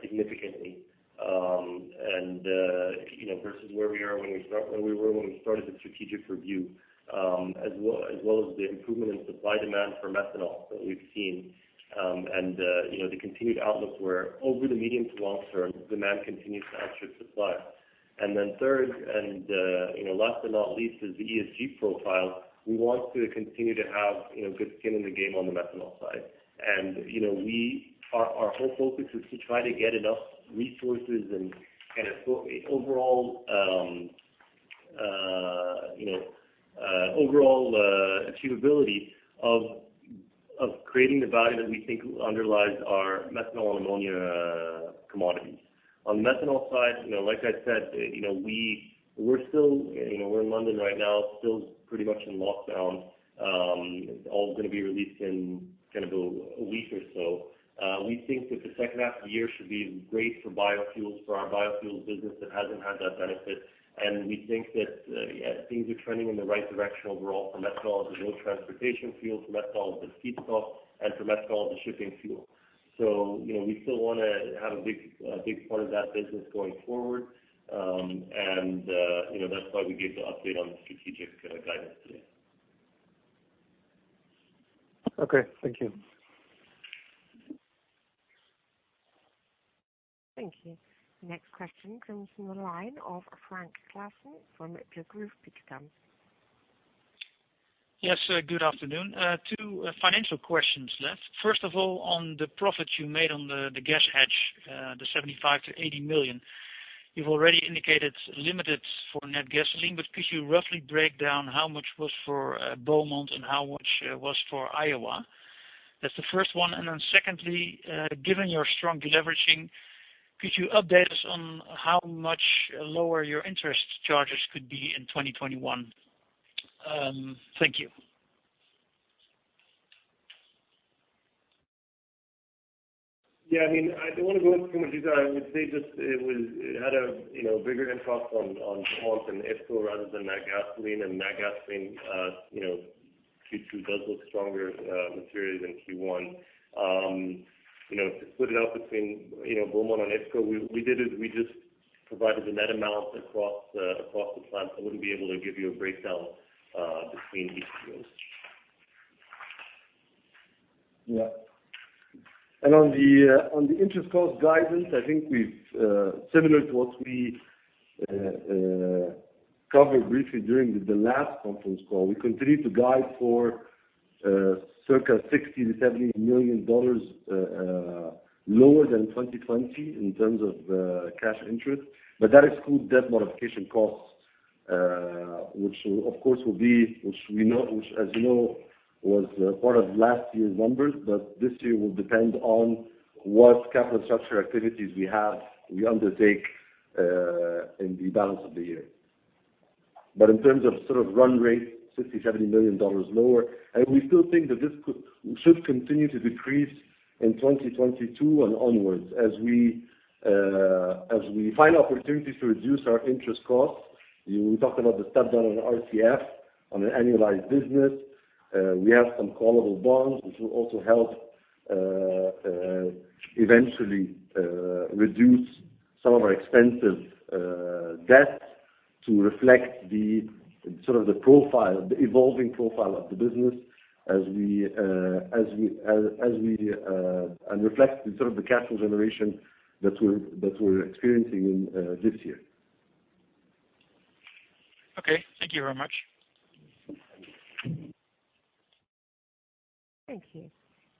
significantly, versus where we were when we started the strategic review, as well as the improvement in supply-demand for methanol that we've seen. The continued outlook where over the medium to long term, demand continues to outstrip supply. Third, and last but not least, is the ESG profile. We want to continue to have good skin in the game on the methanol side. Our whole focus is to try to get enough resources and kind of overall achievability of creating the value that we think underlies our methanol and ammonia commodities. On the methanol side, like I said, we're in London right now, still pretty much in lockdown. All going to be released in kind of a week or so. We think that the second half of the year should be great for our biofuels business that hasn't had that benefit, and we think that things are trending in the right direction overall for methanol as a road transportation fuel, for methanol as a feedstock, and for methanol as a shipping fuel. We still want to have a big part of that business going forward. That's why we gave the update on the strategic guidance today. Okay. Thank you. Thank you. Next question comes from the line of Frank Claassen from Degroof Petercam. Please come. Yes. Good afternoon. Two financial questions left. First of all, on the profits you made on the gas hedge, the $75 million-$80 million. You've already indicated limited for Natgasoline, but could you roughly break down how much was for Beaumont and how much was for Iowa? That's the first one. Then secondly, given your strong deleveraging, could you update us on how much lower your interest charges could be in 2021? Thank you. I don't want to go into too much detail. I would say just it had a bigger impact on Beaumont and ESCO rather than Natgasoline, and Natgasoline Q2 does look stronger materially than Q1. To split it out between Beaumont and ESCO, we just provided the net amount across the plants. I wouldn't be able to give you a breakdown between each of those. Yeah. On the interest cost guidance, I think similar to what we covered briefly during the last conference call, we continue to guide for $60 million-$70 million lower than 2020 in terms of cash interest. That excludes debt modification costs, which, as you know, was part of last year's numbers. This year will depend on what capital structure activities we undertake in the balance of the year. In terms of sort of run rate, $60 million-$70 million lower. We still think that this should continue to decrease in 2022 and onwards as we find opportunities to reduce our interest costs. We talked about the step-down on RCF on an annualized business. We have some callable bonds, which will also help eventually reduce some of our expensive debts to reflect the evolving profile of the business and reflect the sort of the cash flow generation that we're experiencing in this year. Okay. Thank you very much. Thank you.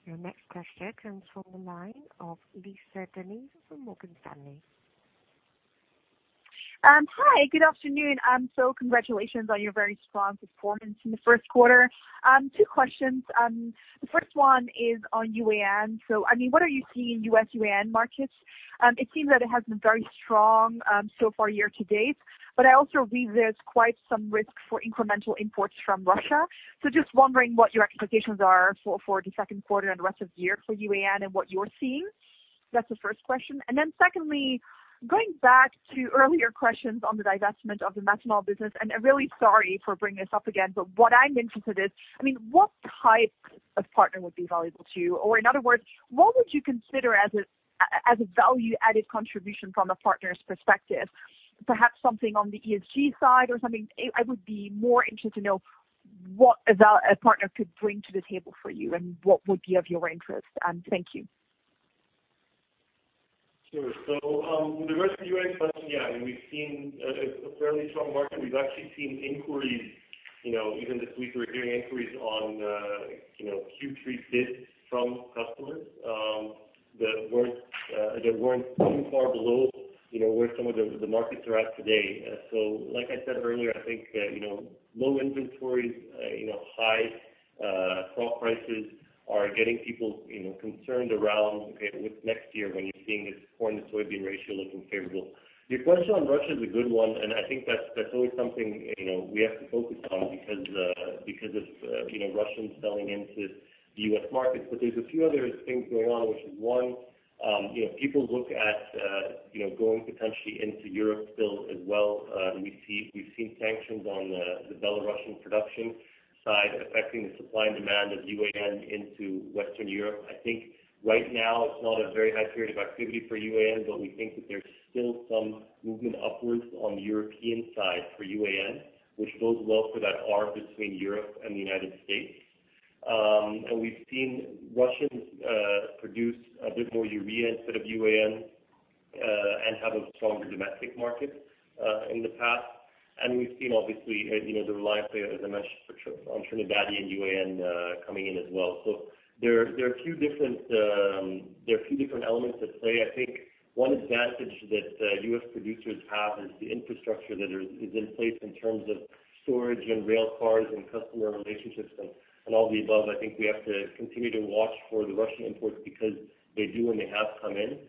Your next question comes from the line of Lisa De Neve from Morgan Stanley. Hi, good afternoon. Congratulations on your very strong performance in the first quarter. Two questions. The first one is on UAN. What are you seeing in U.S. UAN markets? It seems that it has been very strong so far year to date, but I also read there's quite some risk for incremental imports from Russia. Just wondering what your expectations are for the second quarter and the rest of the year for UAN and what you're seeing. That's the first question. Secondly, going back to earlier questions on the divestment of the methanol business, and I'm really sorry for bringing this up again, but what I'm interested in is, what type of partner would be valuable to you? Or in other words, what would you consider as a value-added contribution from a partner's perspective? Perhaps something on the ESG side or something. I would be more interested to know what a partner could bring to the table for you and what would be of your interest. Thank you. Sure. With regards to your first question, yeah, we've seen a fairly strong market. We've actually seen inquiries, even this week we're hearing inquiries on Q3 bids from customers that weren't too far below where some of the markets are at today. Like I said earlier, I think that low inventories, high spot prices are getting people concerned around, okay, what's next year when you're seeing this corn to soybean ratio looking favorable? Your question on Russia is a good one, and I think that's always something we have to focus on because of Russians selling into the U.S. market. There's a few other things going on, which is one, people look at going potentially into Europe still as well. We've seen sanctions on the Belarusian production side affecting the supply and demand of UAN into Western Europe. I think right now it's not a very high period of activity for UAN, but we think that there's still some movement upwards on the European side for UAN, which bodes well for that arc between Europe and the U.S. And we've seen Russians produce a bit more urea instead of UAN, and have a stronger domestic market in the past. We've seen obviously, the reliance there, as I mentioned, on Trinidadian UAN coming in as well. There are a few different elements at play. I think one advantage that U.S. producers have is the infrastructure that is in place in terms of storage and rail cars and customer relationships and all the above. I think we have to continue to watch for the Russian imports because they do and they have come in.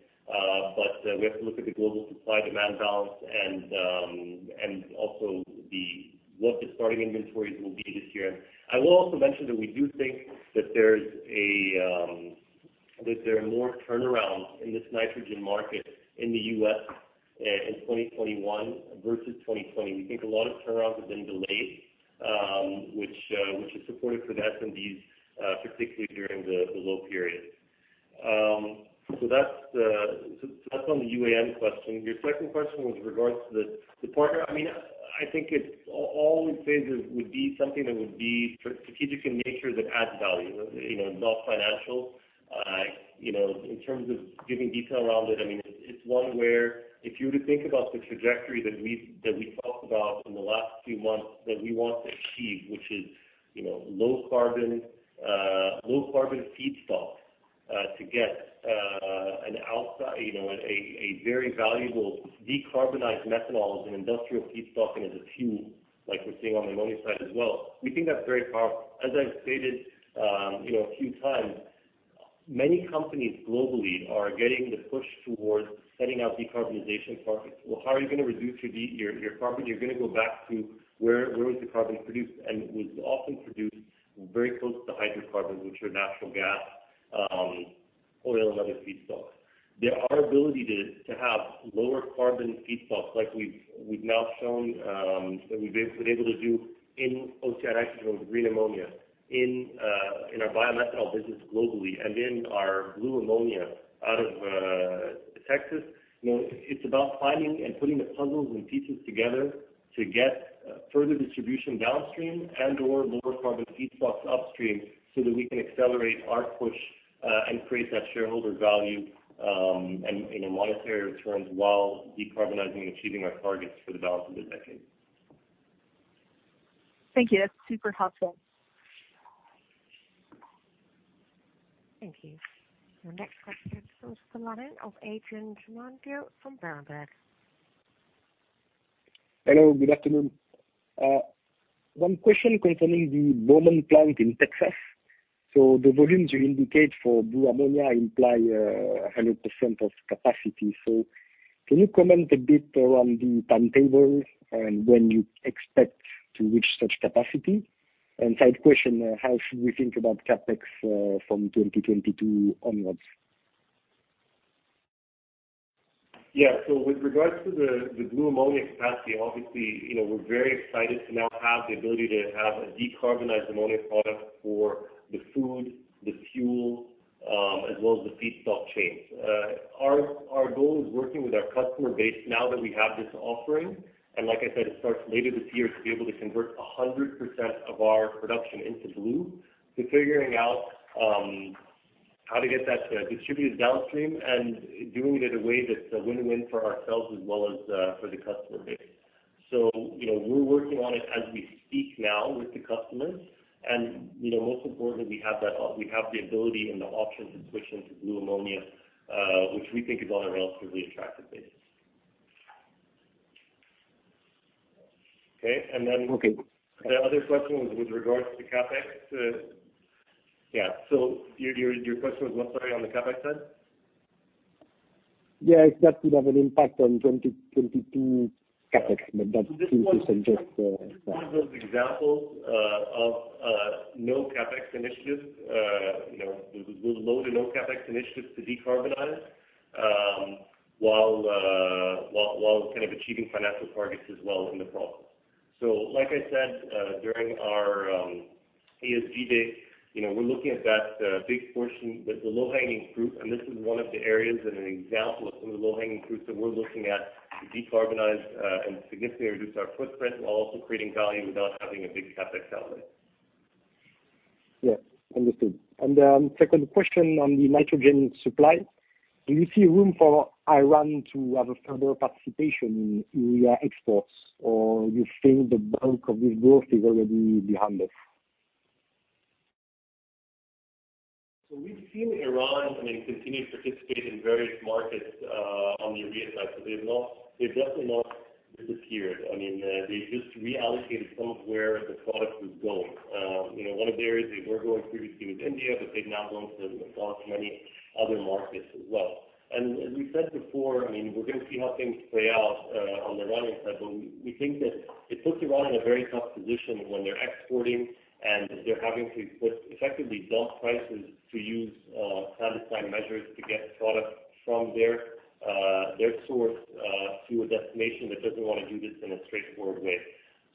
We have to look at the global supply-demand balance and also what the starting inventories will be this year. I will also mention that we do think that there are more turnarounds in this nitrogen market in the U.S. in 2021 versus 2020. We think a lot of turnarounds have been delayed, which is supportive for S&Ds, particularly during the low periods. That's on the UAN question. Your second question was with regards to the partner. I think it's all we'd say that would be something that would be strategic in nature that adds value, not financial. In terms of giving detail around it's one where if you were to think about the trajectory that we talked about in the last few months that we want to achieve, which is low carbon feedstock, to get a very valuable decarbonized methanol as an industrial feedstock and as a fuel like we're seeing on the ammonia side as well. We think that's very powerful. As I've stated a few times, many companies globally are getting the push towards setting out decarbonization targets. How are you going to reduce your carbon? You're going to go back to where was the carbon produced, it was often produced very close to hydrocarbons, which are natural gas, oil and other feedstocks. Our ability to have lower carbon feedstocks like we've now shown that we've been able to do in OCI Nitrogen with green ammonia in our biomethanol business globally and in our blue ammonia out of Texas. It's about finding and putting the puzzles and pieces together to get further distribution downstream and/or lower carbon feedstocks upstream so that we can accelerate our push, and create that shareholder value in monetary terms while decarbonizing and achieving our targets for the balance of the decade. Thank you. That's super helpful. Thank you. Your next question comes from the line of Adrien Tamagno from Berenberg. Hello, good afternoon. One question concerning the Beaumont plant in Texas. The volumes you indicate for blue ammonia imply 100% of capacity. Can you comment a bit around the timetable and when you expect to reach such capacity? Side question, how should we think about CapEx from 2022 onwards? With regards to the blue ammonia capacity, obviously, we're very excited to now have the ability to have a decarbonized ammonia product for the food, the fuel, as well as the feedstock chains. Our goal is working with our customer base now that we have this offering, and like I said, it starts later this year to be able to convert 100% of our production into blue, to figuring out how to get that distributed downstream and doing it in a way that's a win-win for ourselves as well as for the customer base. We're working on it as we speak now with the customers. Most importantly, we have the ability and the options to switch into blue ammonia, which we think is on a relatively attractive basis. Okay The other question was with regards to CapEx. Yeah. Your question was what, sorry, on the CapEx side? Yeah, if that would have an impact on 2022 CapEx, but that seems to. This is one of those examples of no CapEx initiatives. We'll load a no CapEx initiative to decarbonize, while kind of achieving financial targets as well in the process. Like I said during our ESG day, we're looking at that big portion with the low-hanging fruit, and this is one of the areas and an example of some of the low-hanging fruits that we're looking at to decarbonize and significantly reduce our footprint while also creating value without having a big CapEx outlay. Yeah. Understood. Second question on the nitrogen supply, do you see room for Iran to have a further participation in urea exports? Or you think the bulk of this growth is already behind us? We've seen Iran continue to participate in various markets on the urea side. They've definitely not disappeared. They just reallocated some of where the product was going. One of the areas they were going previously was India, but they've now gone to exhaust many other markets as well. As we said before, we're going to see how things play out on the Iranian side, but we think that it puts Iran in a very tough position when they're exporting and they're having to put effectively dump prices to use clandestine measures to get product from their source to a destination that doesn't want to do this in a straightforward way.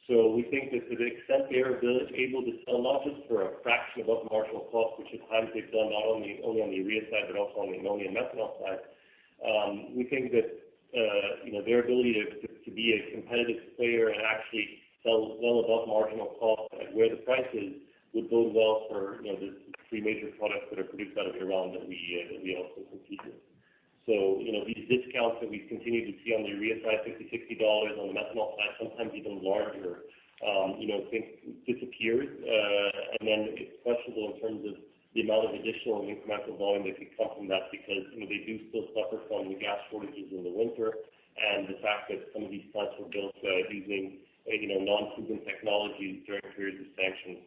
We think that to the extent they're able to sell, not just for a fraction above marginal cost, which at times they've done not only on the urea side, but also on the ammonia and methanol side. We think that their ability to be a competitive player and actually sell well above marginal cost at where the price is, would bode well for the three major products that are produced out of Iran that we also compete with. These discounts that we've continued to see on the urea side, $50, $60 on the methanol side, sometimes even larger, things disappeared. It's questionable in terms of the amount of additional incremental volume that could come from that because they do still suffer from the gas shortages in the winter and the fact that some of these plants were built using non-super technologies during periods of sanctions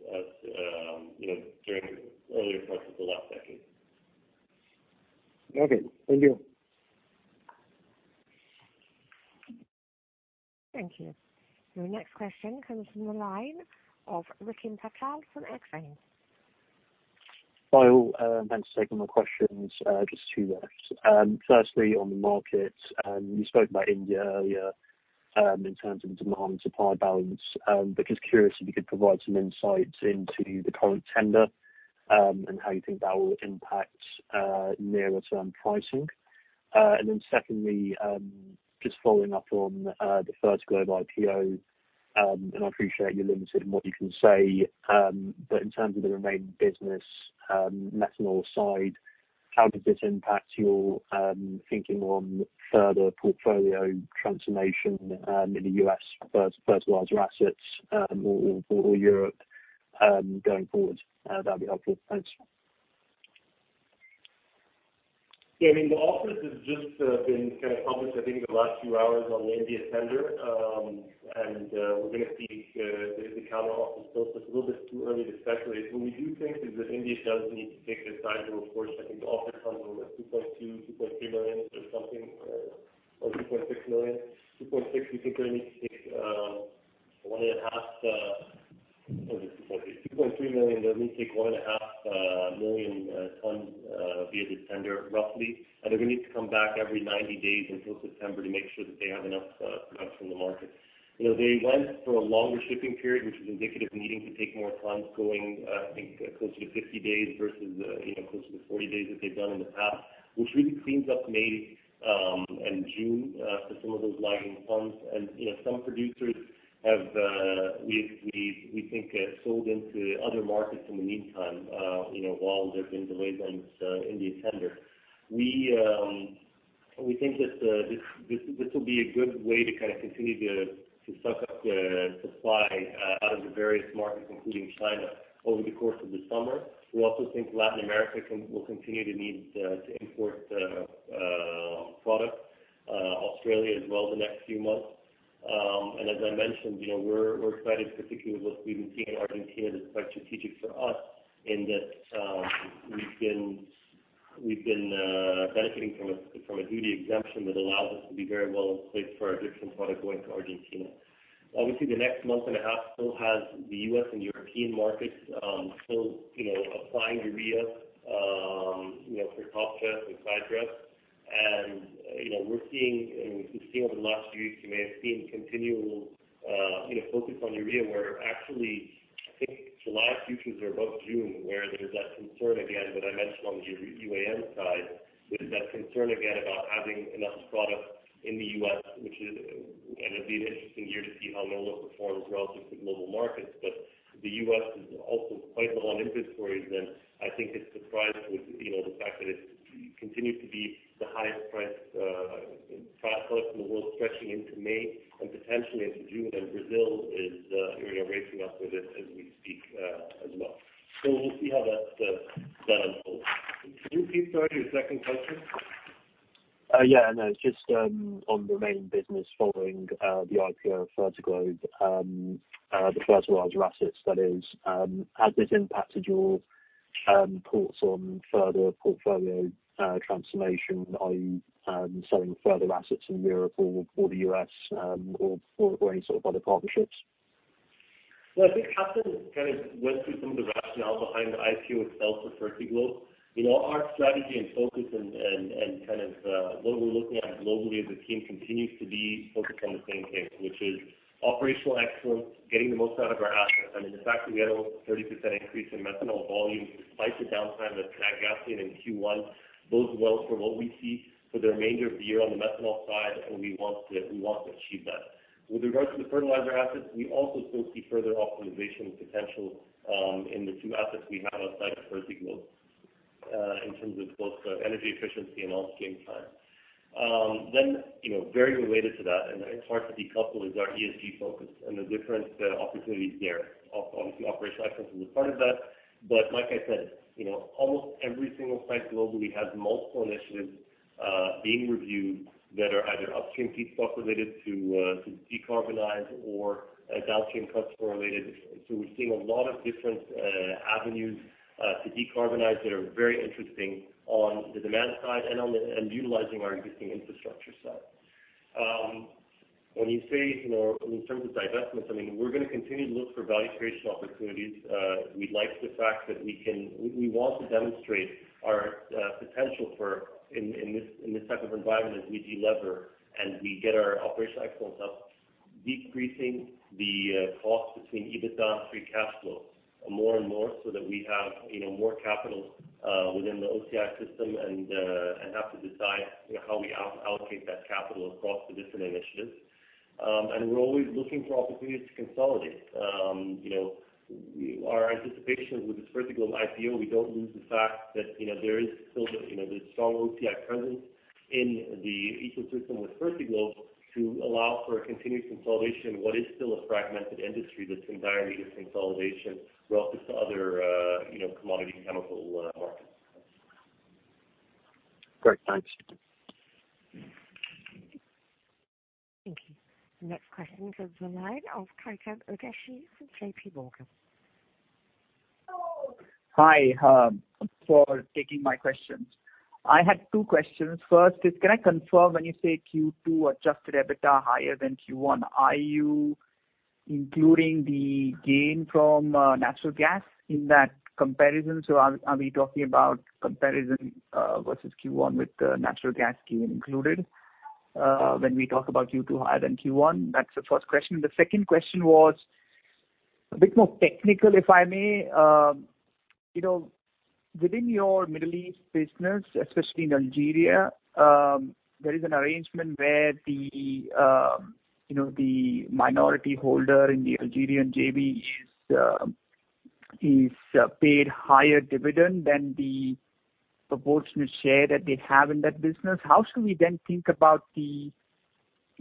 during earlier parts of the last decade. Okay. Thank you. Thank you. Your next question comes from the line of Rikin Patel from Exane. Hi all. Thanks for taking my questions. Just two there. Firstly, on the market, you spoke about India earlier, in terms of demand and supply balance. I'm just curious if you could provide some insights into the current tender, and how you think that will impact nearer term pricing. Secondly, just following up on the Fertiglobe IPO, and I appreciate you're limited in what you can say, but in terms of the remaining business methanol side, how does this impact your thinking on further portfolio transformation in the U.S. fertilizer assets or Europe going forward? That'd be helpful. Thanks. Yeah. The offer has just been published I think in the last few hours on the India tender. We're going to see the counter offers. It's a little bit too early to speculate. What we do think is that India does need to take a sizable portion. I think the offer comes in with 2.2 million tons, 2.3 million tons or 2.6 million tons. 2.6 million tons we think they need to take 1.5 million tons. What is it? 2.3 million tons. They'll need to take 1.5 million tons via this tender, roughly. They're going to need to come back every 90 days until September to make sure that they have enough products from the market. They went for a longer shipping period, which is indicative of needing to take more tons going I think closer to 50 days versus closer to the 40 days that they've done in the past, which really cleans up May and June for some of those lagging tons. Some producers we think sold into other markets in the meantime while there's been delays on this India tender. We think that this will be a good way to kind of continue to suck up supply out of the various markets, including China, over the course of the summer. We also think Latin America will continue to need to import product. Australia as well in the next few months. As I mentioned, we're excited particularly with what we've been seeing in Argentina that's quite strategic for us in that we've been benefiting from a duty exemption that allows us to be very well in place for our different product going to Argentina. Obviously, the next month and a half still has the U.S. and European markets still applying urea for top dress and side dress. We've seen over the last few weeks, you may have seen continual focus on urea, where actually, I think July futures are above June, where there's that concern again, what I mentioned on the UAN side, about having enough product in the U.S., and it'll be an interesting year to see how NOLA performs relative to global markets. The U.S. is also quite low on inventories, and I think it's surprising with the fact that it continues to be the highest priced product in the world stretching into May and potentially into June. Brazil is racing up with it as we speak as well. We'll see how that unfolds. Can you please sorry, your second question? Yeah, no, it's just on the main business following the IPO of Fertiglobe, the fertilizer assets, that is. Has this impacted your thoughts on further portfolio transformation, i.e., selling further assets in Europe or the U.S. or any sort of other partnerships? Well, I think Hassan kind of went through some of the rationale behind the IPO itself for Fertiglobe. Our strategy and focus and kind of what we're looking at globally as a team continues to be focused on the same thing, which is operational excellence, getting the most out of our assets. I mean, the fact that we had almost a 30% increase in methanol volumes despite the downtime with Natgasoline in Q1 bodes well for what we see for the remainder of the year on the methanol side, and we want to achieve that. With regard to the fertilizer assets, we also still see further optimization potential in the two assets we have outside of Fertiglobe, in terms of both energy efficiency and onstream time. Very related to that, and it's hard to decouple, is our ESG focus and the different opportunities there. Obviously, operational excellence is a part of that, like I said, almost every single site globally has multiple initiatives being reviewed that are either upstream feedstock related to decarbonize or downstream customer related. We're seeing a lot of different avenues to decarbonize that are very interesting on the demand side and utilizing our existing infrastructure side. When you say, in terms of divestments, I mean, we're going to continue to look for value creation opportunities. We want to demonstrate our potential in this type of environment as we de-lever, and we get our operational excellence up, decreasing the cost between EBITDA and free cash flow more and more so that we have more capital within the OCI system and have to decide how we allocate that capital across the different initiatives. We're always looking for opportunities to consolidate. Our anticipation with this Fertiglobe IPO, we don't lose the fact that there is still the strong OCI presence in the ecosystem with Fertiglobe to allow for a continued consolidation in what is still a fragmented industry that's in dire need of consolidation relative to other commodity chemical markets. Great. Thanks. Thank you. The next question is the line of Chetan Udeshi from JPMorgan. Hi. For taking my questions. I had two questions. First is, can I confirm when you say Q2 adjusted EBITDA higher than Q1, are you including the gain from natural gas in that comparison? Are we talking about comparison versus Q1 with natural gas gain included when we talk about Q2 higher than Q1? That's the first question. The second question was a bit more technical, if I may. Within your Middle East business, especially in Algeria, there is an arrangement where the minority holder in the Algerian JV is paid higher dividend than the proportionate share that they have in that business. How should we then think about the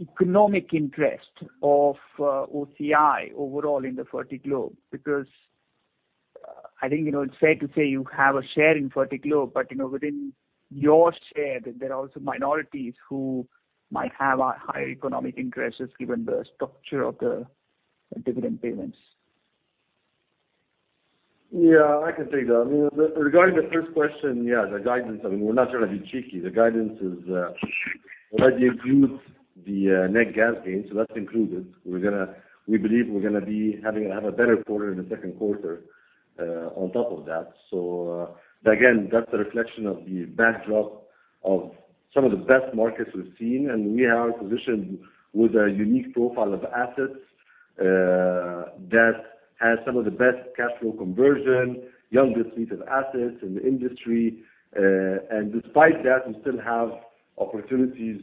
economic interest of OCI overall in the Fertiglobe? I think it's fair to say you have a share in Fertiglobe, but within your share, there are also minorities who might have a higher economic interest, just given the structure of the dividend payments. I can take that. Regarding the first question, the guidance, we're not trying to be cheeky. The guidance already includes the Natgasoline gain, that's included. We believe we're going to have a better quarter in the second quarter on top of that. Again, that's a reflection of the backdrop of some of the best markets we've seen, and we are positioned with a unique profile of assets that has some of the best cash flow conversion, youngest fleet of assets in the industry. Despite that, we still have opportunities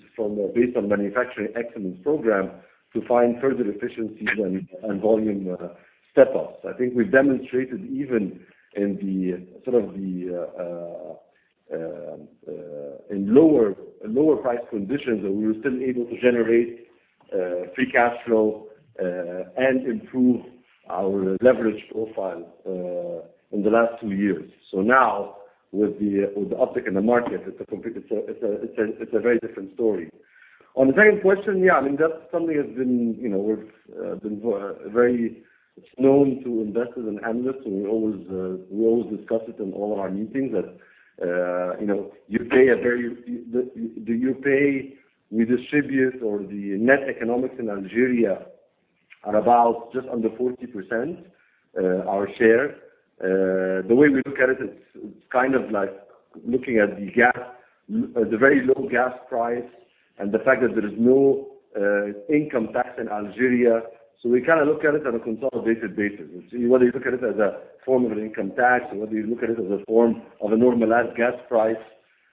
based on manufacturing excellence program to find further efficiencies and volume step-ups. I think we've demonstrated even in lower price conditions, that we were still able to generate free cash flow and improve our leverage profile in the last two years. Now, with the uptick in the market, it's a very different story. On the second question, yeah, I mean, that's something that's been very known to investors and analysts, and we always discuss it in all of our meetings that we distribute, or the net economics in Algeria about just under 40% our share. The way we look at it's like looking at the very low gas price and the fact that there is no income tax in Algeria. We look at it on a consolidated basis. Whether you look at it as a form of an income tax, or whether you look at it as a form of a normalized gas price,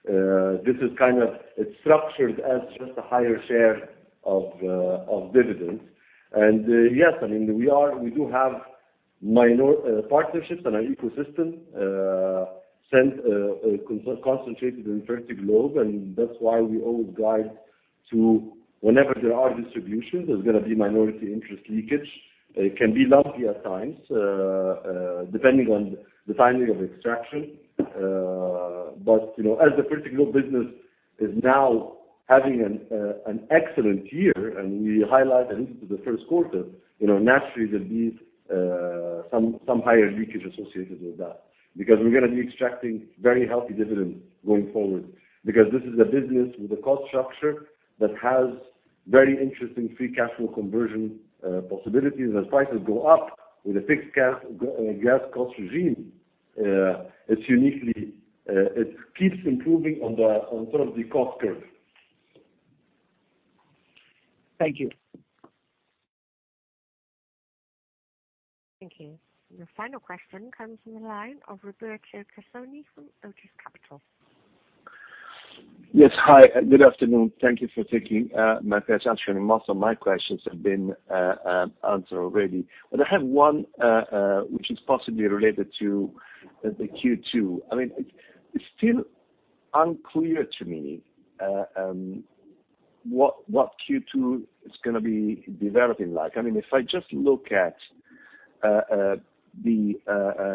it's structured as just a higher share of dividends. Yes, we do have partnerships in our ecosystem, concentrated in Fertiglobe, and that's why we always guide to, whenever there are distributions, there's going to be minority interest leakage. It can be lumpy at times, depending on the timing of extraction. As the Fertiglobe business is now having an excellent year, and we highlight that into the first quarter, naturally there'll be some higher leakage associated with that. We're going to be extracting very healthy dividends going forward. This is a business with a cost structure that has very interesting free cash flow conversion possibilities. As prices go up with a fixed gas cost regime, it keeps improving on the cost curve. Thank you. Thank you. Your final question comes from the line of Roberto Casoni from Otus Capital. Yes. Hi, good afternoon. Thank you for taking my questions. Most of my questions have been answered already, but I have one which is possibly related to the Q2. It's still unclear to me what Q2 is going to be developing like. If I just look at the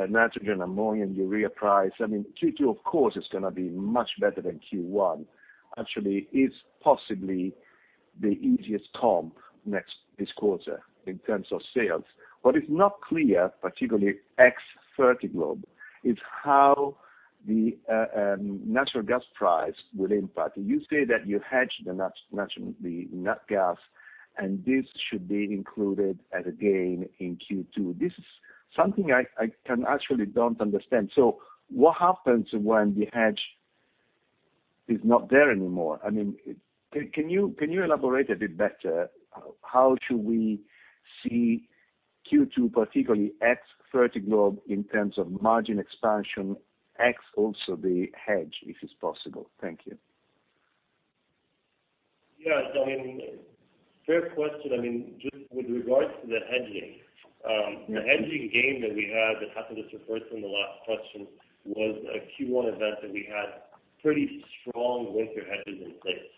nitrogen, ammonia, and urea price, Q2, of course, is going to be much better than Q1. It's possibly the easiest comp next this quarter in terms of sales. What is not clear, particularly ex Fertiglobe, is how the natural gas price will impact it. You say that you hedge the natural gas and this should be included as a gain in Q2. This is something I actually don't understand. What happens when the hedge is not there anymore? Can you elaborate a bit better how should we see Q2, particularly ex Fertiglobe, in terms of margin expansion, ex also the hedge, if it's possible? Thank you. Yes. Fair question. Just with regards to the hedging. The hedging gain that we had, that happened to refer to in the last question, was a Q1 event that we had pretty strong winter hedges in place.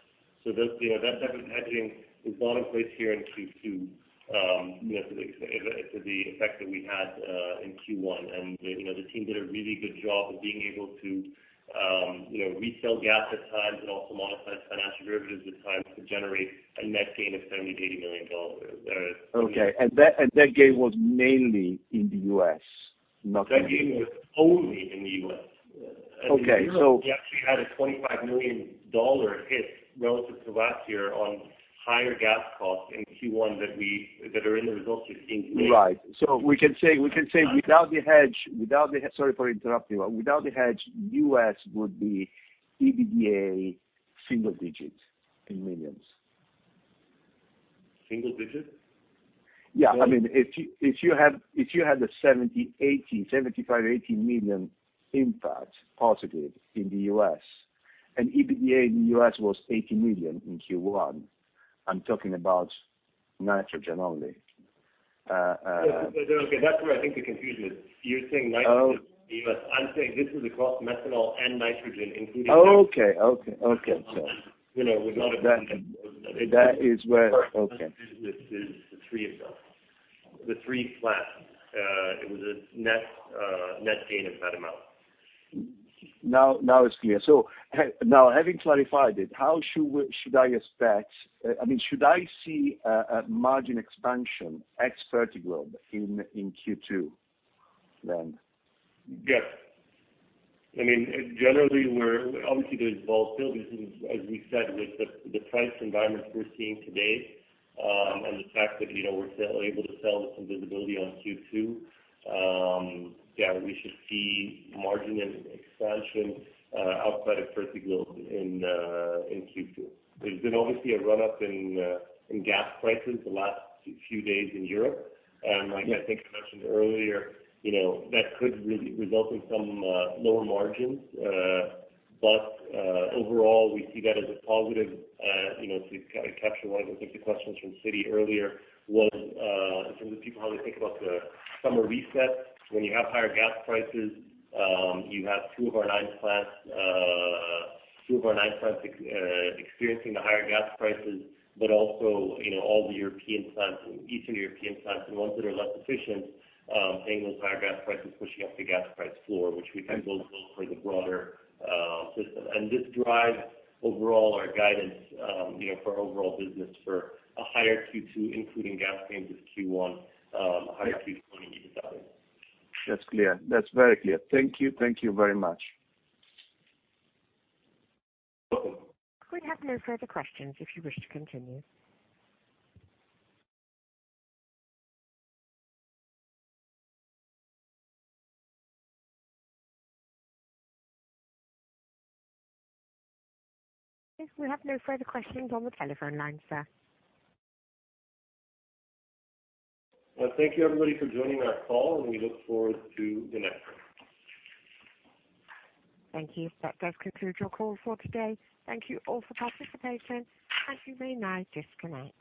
That type of hedging is not in place here in Q2 to the effect that we had in Q1. The team did a really good job of being able to resell gas at times and also modify its financial derivatives at times to generate a net gain of $70 million-$80 million. Okay. That gain was mainly in the U.S.? That gain was only in the U.S. Okay. We actually had a $25 million hit relative to last year on higher gas costs in Q1 that are in the results you're seeing today. Right. Sorry for interrupting. Without the hedge, U.S. would be EBITDA $ single digit in millions. Single digit? Yeah. If you had a $70 million, $80 million, $75 million, $80 million impact positive in the U.S., and EBITDA in the U.S. was $80 million in Q1, I'm talking about nitrogen only. Okay. That's where I think the confusion is. You're saying nitrogen in the U.S. I'm saying this is across methanol and nitrogen, including. Okay. With not a. Okay. This is the three itself. The three flat. It was a net gain of that amount. Now it's clear. Now having clarified it, should I see a margin expansion ex Fertiglobe in Q2? Yes. Obviously, there's volatility. As we said, with the price environment we're seeing today, and the fact that we're still able to sell with some visibility on Q2, yeah, we should see margin expansion outside of Fertiglobe in Q2. There's been obviously a run-up in gas prices the last few days in Europe. Like I think I mentioned earlier, that could result in some lower margins. Overall, we see that as a positive. To capture one of, I think, the questions from Citi earlier, was in terms of people, how they think about the summer reset, when you have higher gas prices, you have two of our nine plants experiencing the higher gas prices. Also all the European plants and Eastern European plants and ones that are less efficient, seeing those higher gas prices pushing up the gas price floor, which we think bodes well for the broader system. This drives overall our guidance for overall business for a higher Q2, including gas gains in Q1, higher Q2 EBITDA. That's clear. That's very clear. Thank you. Thank you very much. Welcome. We have no further questions if you wish to continue. We have no further questions on the telephone lines, sir. Well, thank you everybody for joining our call, and we look forward to the next one. Thank you. That does conclude your call for today. Thank you all for participating. Thank you. You may now disconnect.